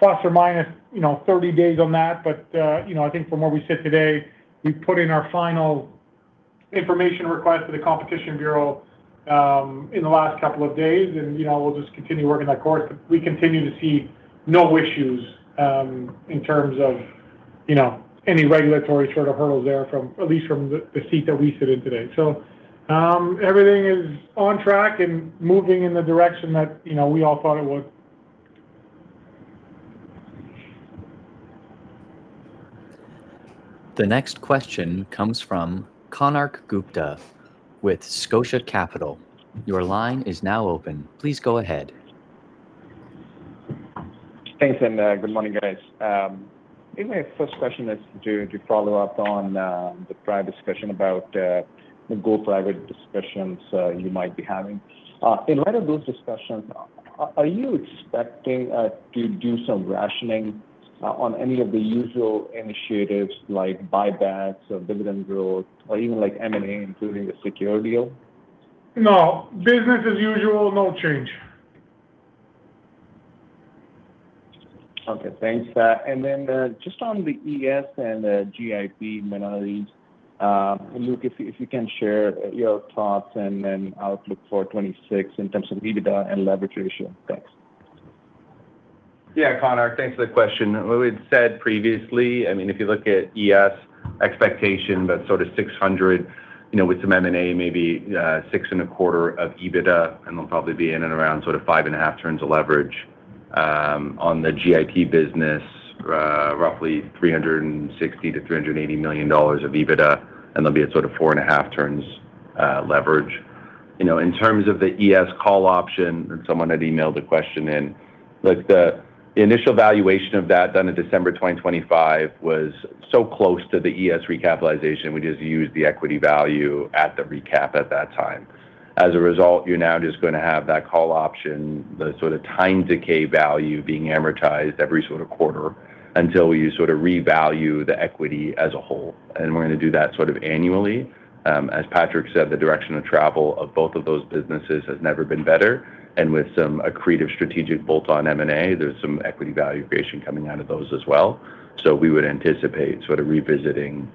±30 days on that. I think from where we sit today, we've put in our final information request to the Competition Bureau, in the last couple of days, and we'll just continue working that course. We continue to see no issues, in terms of any regulatory sort of hurdles there from, at least from the seat that we sit in today. Everything is on track and moving in the direction that we all thought it would. The next question comes from Konark Gupta with Scotia Capital. Your line is now open. Please go ahead. Thanks, good morning, guys. I think my first question is to follow up on the private discussion about, the go private discussions you might be having. In light of those discussions, are you expecting to do some rationing on any of the usual initiatives like buybacks or dividend growth or even like M&A, including the SECURE deal? No. Business as usual. No change. Okay, thanks. Just on the Environmental Services and Green Infrastructure Partners, Manon], Luke, if you can share your thoughts and outlook for 2026 in terms of EBITDA and leverage ratio. Thanks. Yeah, Konark, thanks for the question. What we had said previously, if you look at Environmental Services expectation, but sort of 600 million with some M&A, maybe 625 million of EBITDA, and they'll probably be in and around sort of 5.5 turns of leverage. On the Green Infrastructure Partners business, roughly 360 million-380 million dollars of EBITDA, and they'll be at sort of 4.5 turns leverage. In terms of the Environmental Services call option, someone had emailed a question in, the initial valuation of that done in December 2025 was so close to the Environmental Services recapitalization. We just used the equity value at the recap at that time. As a result, you're now just going to have that call option, the sort of time decay value being amortized every quarter until you revalue the equity as a whole. We're going to do that annually. As Patrick said, the direction of travel of both of those businesses has never been better. With some accretive strategic bolt-on M&A, there's some equity value creation coming out of those as well. We would anticipate revisiting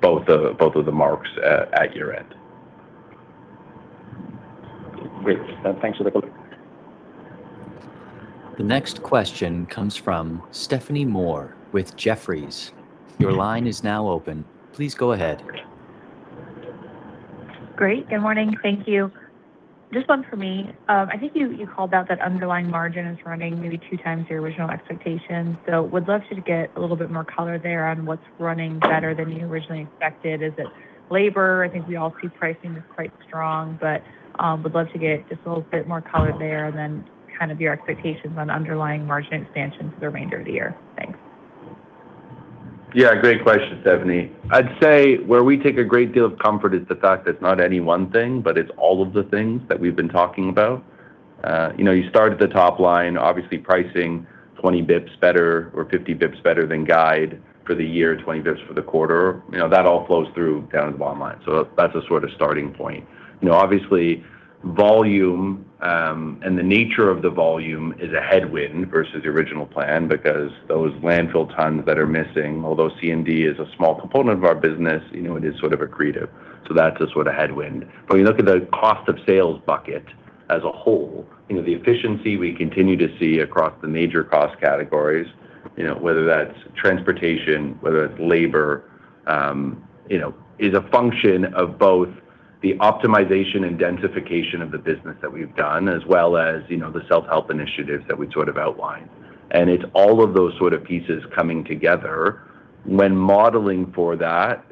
both of the marks at year-end. Great. Thanks for the call. The next question comes from Stephanie Moore with Jefferies. Your line is now open. Please go ahead. Great. Good morning. Thank you. Just one for me. I think you called out that underlying margin is running maybe two times your original expectation. Would love to get a little bit more color there on what's running better than you originally expected. Is it labor? I think we all see pricing is quite strong, but would love to get just a little bit more color there and then kind of your expectations on underlying margin expansion for the remainder of the year. Thanks. Yeah, great question, Stephanie. I'd say where we take a great deal of comfort is the fact that it's not any one thing, but it's all of the things that we've been talking about. You start at the top line, obviously pricing 50 basis points better than guide for the year, 20 basis points for the quarter. That all flows through down to the bottom line. That's a sort of starting point. Obviously, volume, and the nature of the volume is a headwind versus the original plan because those landfill tons that are missing, although C&D is a small component of our business, it is sort of accretive. That's a sort of headwind. When you look at the cost of sales bucket as a whole, the efficiency we continue to see across the major cost categories, whether that's transportation, whether that's labor, is a function of both the optimization and densification of the business that we've done, as well as the self-help initiatives that we'd outlined. It's all of those pieces coming together. When modeling for that,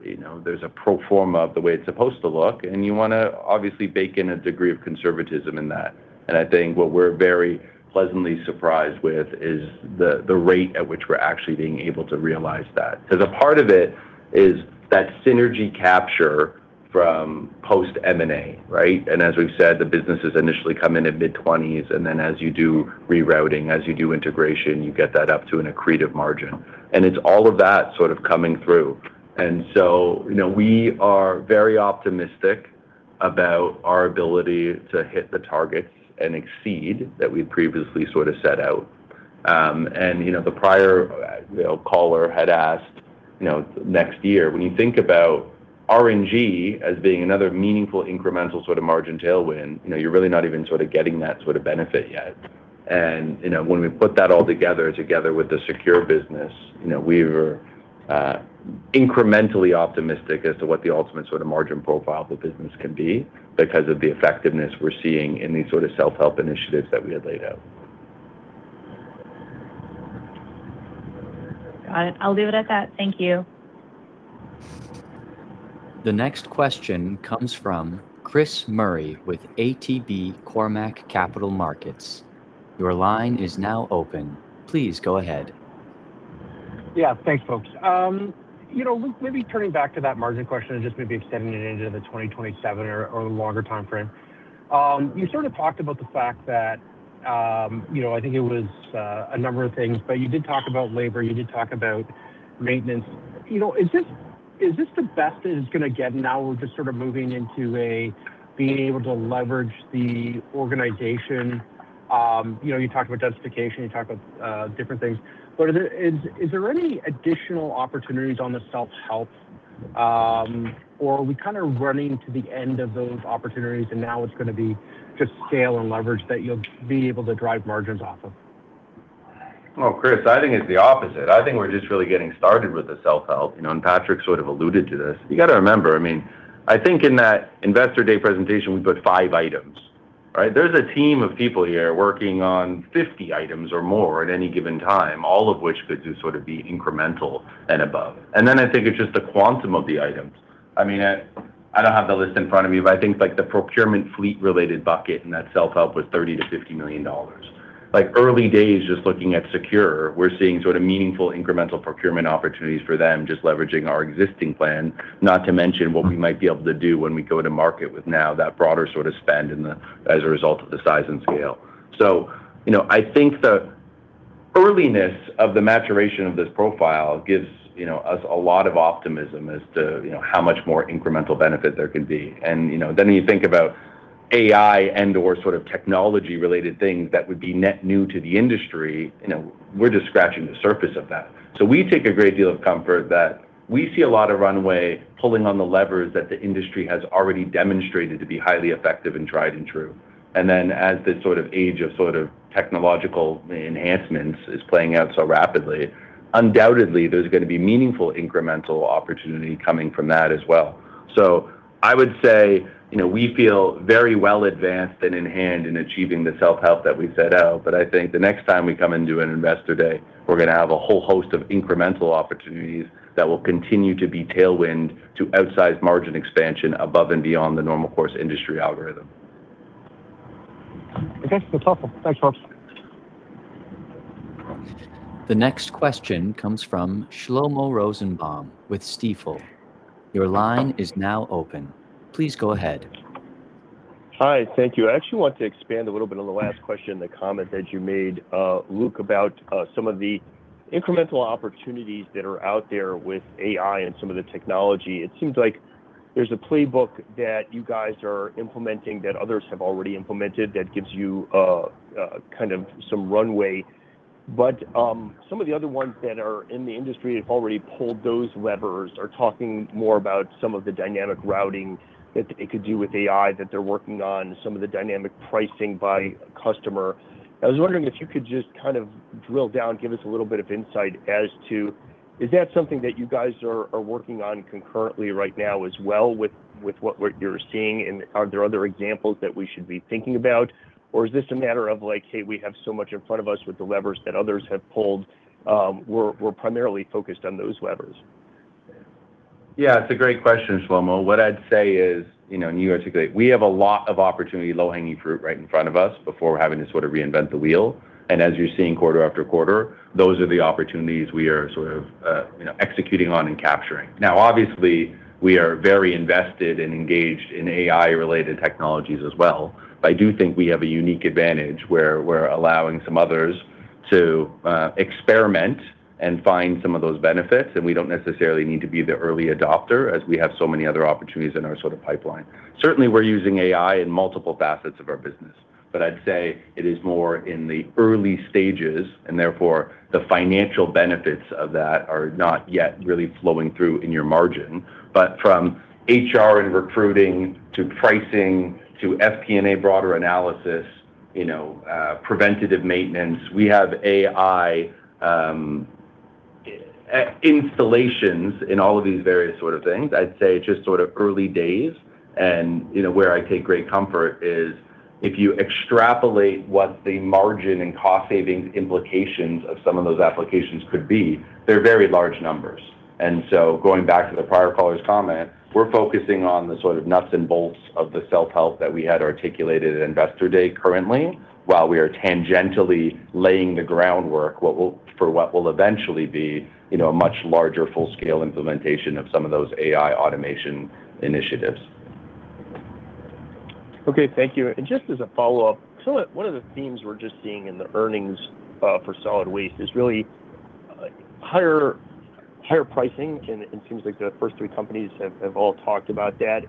there's a pro forma of the way it's supposed to look, and you want to obviously bake in a degree of conservatism in that. I think what we're very pleasantly surprised with is the rate at which we're actually being able to realize that. Because a part of it is that synergy capture from post-M&A, right? As we've said, the businesses initially come in at mid-20s, and then as you do rerouting, as you do integration, you get that up to an accretive margin. It's all of that sort of coming through. We are very optimistic about our ability to hit the targets and exceed that we'd previously set out. The prior caller had asked, next year, when you think about RNG as being another meaningful incremental sort of margin tailwind, you're really not even getting that sort of benefit yet. When we put that all together with the SECURE business, we're incrementally optimistic as to what the ultimate margin profile of the business can be because of the effectiveness we're seeing in these self-help initiatives that we had laid out. Got it. I'll leave it at that. Thank you. The next question comes from Chris Murray with ATB Cormark Capital Markets. Your line is now open. Please go ahead. Yeah. Thanks, folks. Luke, maybe turning back to that margin question and just maybe extending it into the 2027 or longer timeframe. You sort of talked about the fact that, I think it was a number of things, but you did talk about labor, you did talk about maintenance. Is this the best that it's going to get now with just sort of moving into being able to leverage the organization? You talked about densification, you talked about different things. Is there any additional opportunities on the self-help? Are we kind of running to the end of those opportunities, and now it's going to be just scale and leverage that you'll be able to drive margins off of? Well, Chris, I think it's the opposite. I think we're just really getting started with the self-help. Patrick sort of alluded to this. You got to remember, I think in that Investor Day presentation, we put five items, right? There's a team of people here working on 50 items or more at any given time, all of which could just sort of be incremental and above. I think it's just the quantum of the items. I don't have the list in front of me. I think the procurement fleet-related bucket and that self-help was 30 million-50 million dollars. Early days, just looking at SECURE, we're seeing meaningful incremental procurement opportunities for them, just leveraging our existing plan, not to mention what we might be able to do when we go to market with now that broader sort of spend as a result of the size and scale. I think the earliness of the maturation of this profile gives us a lot of optimism as to how much more incremental benefit there can be. You think about AI and/or sort of technology-related things that would be net new to the industry, we're just scratching the surface of that. We take a great deal of comfort that we see a lot of runway pulling on the levers that the industry has already demonstrated to be highly effective and tried and true. As this age of sort of technological enhancements is playing out so rapidly, undoubtedly, there's going to be meaningful incremental opportunity coming from that as well. I would say, we feel very well advanced and in hand in achieving the self-help that we set out. I think the next time we come and do an Investor Day, we're going to have a whole host of incremental opportunities that will continue to be tailwind to outsize margin expansion above and beyond the normal course industry algorithm. Okay. That's helpful. Thanks, Pelosi. The next question comes from Shlomo Rosenbaum with Stifel. Your line is now open. Please go ahead. Hi. Thank you. I actually want to expand a little bit on the last question, the comment that you made, Luke, about some of the incremental opportunities that are out there with AI and some of the technology. It seems like there's a playbook that you guys are implementing that others have already implemented that gives you some runway. Some of the other ones that are in the industry have already pulled those levers, are talking more about some of the dynamic routing that it could do with AI that they're working on, some of the dynamic pricing by customer. I was wondering if you could just kind of drill down, give us a little bit of insight as to, is that something that you guys are working on concurrently right now as well with what you're seeing? Are there other examples that we should be thinking about? Is this a matter of like, "Hey, we have so much in front of us with the levers that others have pulled, we're primarily focused on those levers? Yeah, it's a great question, Shlomo. What I'd say is, and you articulate, we have a lot of opportunity, low-hanging fruit right in front of us before having to sort of reinvent the wheel. As you're seeing quarter after quarter, those are the opportunities we are sort of executing on and capturing. Obviously, we are very invested and engaged in AI-related technologies as well. I do think we have a unique advantage where we're allowing some others to experiment and find some of those benefits, and we don't necessarily need to be the early adopter as we have so many other opportunities in our sort of pipeline. Certainly, we're using AI in multiple facets of our business. I'd say it is more in the early stages, and therefore, the financial benefits of that are not yet really flowing through in your margin. From HR and recruiting to pricing to FP&A broader analysis, preventative maintenance, we have AI installations in all of these various sort of things. I'd say it's just sort of early days, and where I take great comfort is if you extrapolate what the margin and cost savings implications of some of those applications could be, they're very large numbers. Going back to the prior caller's comment, we're focusing on the sort of nuts and bolts of the self-help that we had articulated at Investor Day currently, while we are tangentially laying the groundwork for what will eventually be a much larger full-scale implementation of some of those AI automation initiatives. Okay. Thank you. Just as a follow-up, one of the themes we're just seeing in the earnings for solid waste is really higher pricing, and it seems like the first three companies have all talked about that.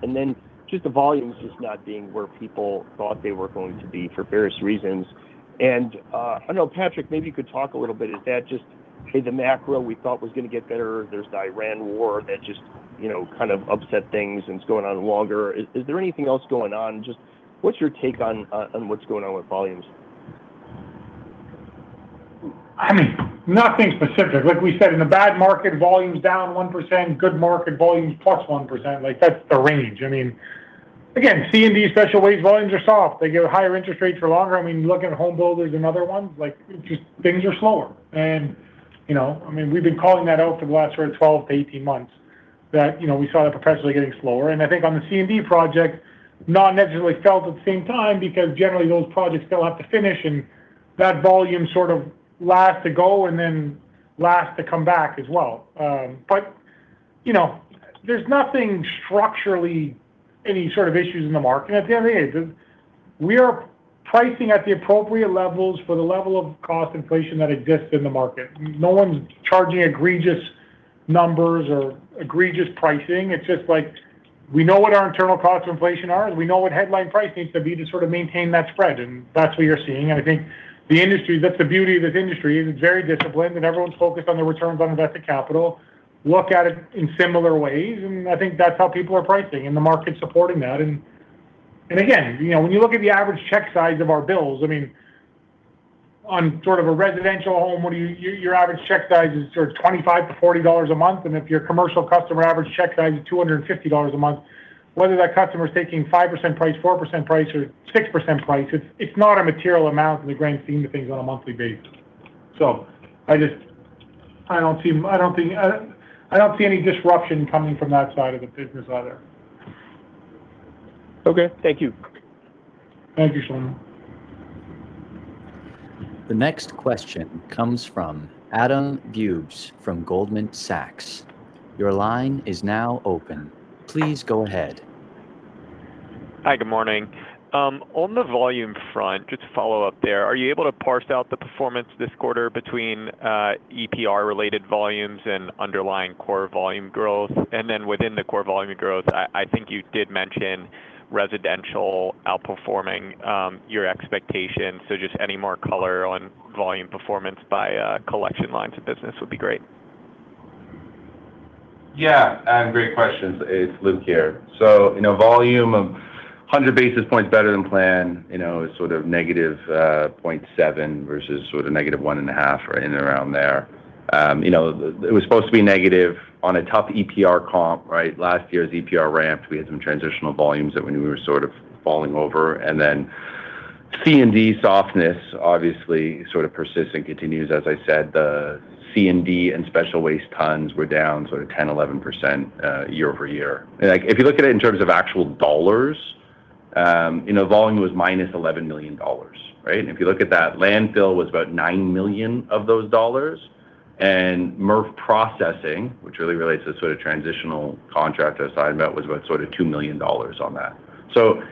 Just the volumes just not being where people thought they were going to be for various reasons. I know, Patrick, maybe you could talk a little bit. Is that just, "Hey, the macro we thought was going to get better. There's the Iran war that just kind of upset things, and it's going on longer." Is there anything else going on? Just what's your take on what's going on with volumes? Nothing specific. Like we said, in a bad market, volume's down 1%, good market, volume's +1%. That's the range. Again, C&D, special waste volumes are soft. They get higher interest rates for longer. You look at home builders and other ones, just things are slower. We've been calling that out for the last sort of 12 to 18 months, that we saw that perpetually getting slower. I think on the C&D project, not necessarily felt at the same time because generally those projects still have to finish and that volume sort of last to go and then last to come back as well. There's nothing structurally any sort of issues in the market. At the end of the day, we are pricing at the appropriate levels for the level of cost inflation that exists in the market. No one's charging egregious numbers or egregious pricing. It's just like we know what our internal cost inflation are, we know what headline price needs to be to sort of maintain that spread, that's what you're seeing. I think that's the beauty of this industry, is it's very disciplined, everyone's focused on the returns on invested capital, look at it in similar ways, I think that's how people are pricing, the market's supporting that. Again, when you look at the average check size of our bills, on sort of a residential home, your average check size is sort of 25-40 dollars a month. If you're a commercial customer, average check size is 250 dollars a month. Whether that customer's taking 5% price, 4% price, or 6% price, it's not a material amount in the grand scheme of things on a monthly basis. I don't see any disruption coming from that side of the business either. Okay. Thank you. Thank you, Shlomo. The next question comes from Adam Bubes from Goldman Sachs. Your line is now open. Please go ahead. Hi. Good morning. On the volume front, just to follow up there, are you able to parse out the performance this quarter between EPR-related volumes and underlying core volume growth? Then within the core volume growth, I think you did mention residential outperforming your expectation. Just any more color on volume performance by collection lines of business would be great. Yeah, great questions. It's Luke here. Volume of 100 basis points better than plan, is sort of -0.7 versus sort of negative one and a half or in and around there. It was supposed to be negative on a tough EPR comp, right? Last year's EPR ramped. We had some transitional volumes that we knew were sort of falling over. Then C&D softness obviously sort of persists and continues. As I said, the C&D and special waste tons were down sort of 10%, 11% year-over-year. If you look at it in terms of actual dollars, volume was minus 11 million dollars, right? If you look at that, landfill was about 9 million of those dollars. MRF processing, which really relates to the sort of transitional contract I was talking about, was about sort of 2 million dollars on that.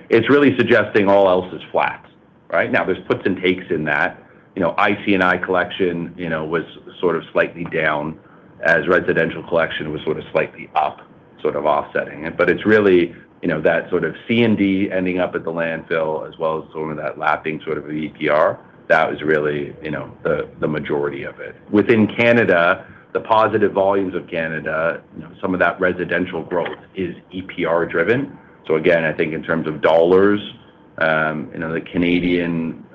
It's really suggesting all else is flat, right? There's puts and takes in that. IC&I collection was sort of slightly down, as residential collection was sort of slightly up, sort of offsetting it. It's really that sort of C&D ending up at the landfill, as well as sort of that lapping sort of EPR. That was really the majority of it. Within Canada, the positive volumes of Canada, some of that residential growth is EPR driven. Again, I think in terms of dollars, the Canadian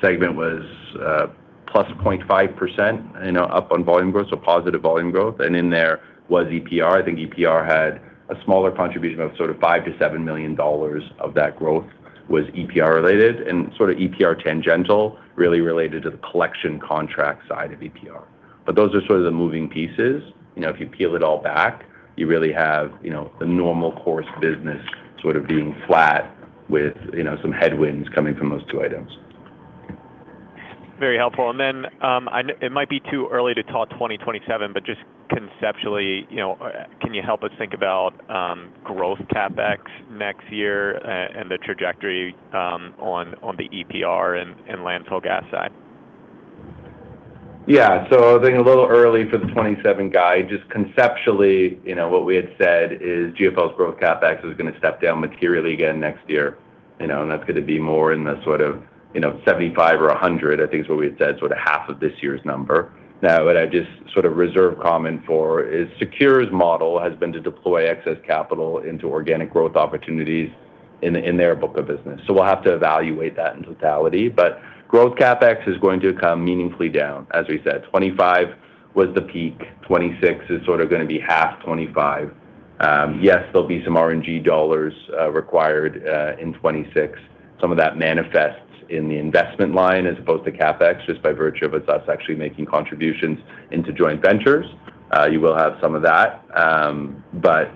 segment was +0.5% up on volume growth, so positive volume growth. In there was EPR. I think EPR had a smaller contribution of sort of 5 million-7 million dollars of that growth was EPR related, and sort of EPR tangential really related to the collection contract side of EPR. Those are sort of the moving pieces. If you peel it all back, you really have the normal course business sort of being flat with some headwinds coming from those two items. Very helpful. It might be too early to talk 2027, but just conceptually, can you help us think about growth CapEx next year and the trajectory on the EPR and landfill gas side? Yeah. I think a little early for the 2027 guide. Just conceptually, what we had said is GFL's growth CapEx is going to step down materially again next year, and that's going to be more in the sort of 75 or 100, I think is what we had said, sort of half of this year's number. What I'd just sort of reserve comment for is SECURE's model has been to deploy excess capital into organic growth opportunities in their book of business. We'll have to evaluate that in totality. Growth CapEx is going to come meaningfully down, as we said. 2025 was the peak. 2026 is sort of going to be half 2025. Yes, there'll be some RNG dollars required in 2026. Some of that manifests in the investment line as opposed to CapEx, just by virtue of it's us actually making contributions into joint ventures. You will have some of that.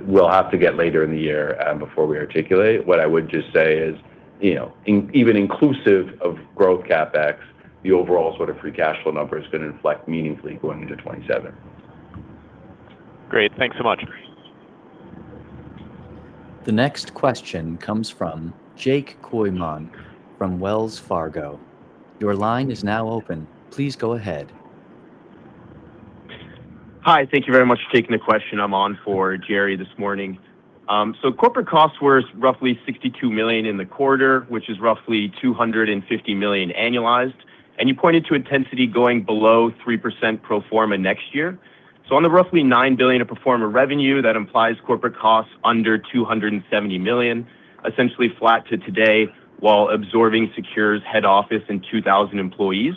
We'll have to get later in the year before we articulate. What I would just say is, even inclusive of growth CapEx, the overall sort of free cash flow number is going to inflect meaningfully going into 2027. Great. Thanks so much. The next question comes from Jake Kooyman from Wells Fargo. Your line is now open. Please go ahead. Hi. Thank you very much for taking the question. I'm on for Jerry this morning. Corporate costs were roughly 62 million in the quarter, which is roughly 250 million annualized. You pointed to intensity going below 3% pro forma next year. On the roughly 9 billion of pro forma revenue, that implies corporate costs under 270 million, essentially flat to today while absorbing SECURE's head office and 2,000 employees.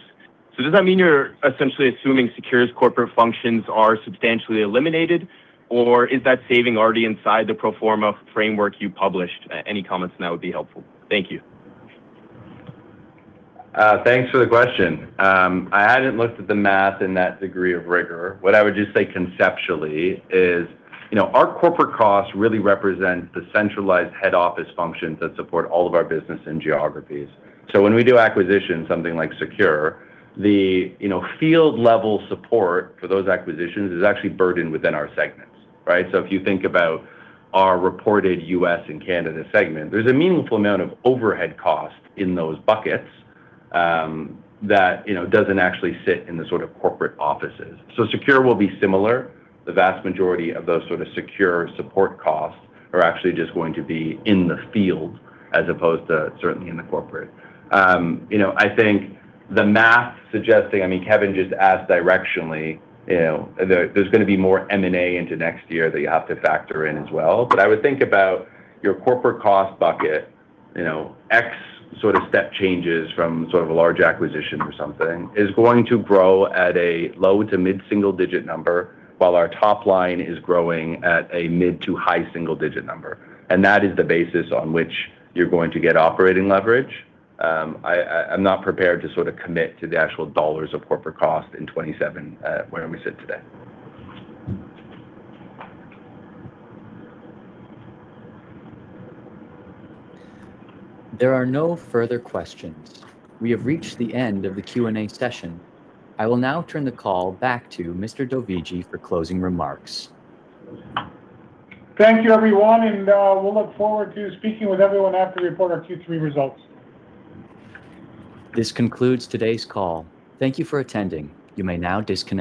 Does that mean you're essentially assuming SECURE's corporate functions are substantially eliminated, or is that saving already inside the pro forma framework you published? Any comments on that would be helpful. Thank you. Thanks for the question. I hadn't looked at the math in that degree of rigor. What I would just say conceptually is our corporate costs really represent the centralized head office functions that support all of our business and geographies. When we do acquisitions, something like SECURE, the field-level support for those acquisitions is actually burdened within our segments, right. If you think about our reported U.S. and Canada segment, there's a meaningful amount of overhead cost in those buckets that doesn't actually sit in the sort of corporate offices. SECURE will be similar. The vast majority of those sort of SECURE support costs are actually just going to be in the field as opposed to certainly in the corporate. I think the math suggesting, Kevin just asked directionally, there's going to be more M&A into next year that you have to factor in as well. I would think about your corporate cost bucket, X sort of step changes from sort of a large acquisition or something, is going to grow at a low to mid-single-digit number while our top line is growing at a mid to high-single-digit number. That is the basis on which you're going to get operating leverage. I'm not prepared to sort of commit to the actual CAD dollars of corporate cost in 2027 where we sit today. There are no further questions. We have reached the end of the Q&A session. I will now turn the call back to Mr. Dovigi for closing remarks. Thank you, everyone, and we'll look forward to speaking with everyone after we report our Q3 results. This concludes today's call. Thank you for attending. You may now disconnect.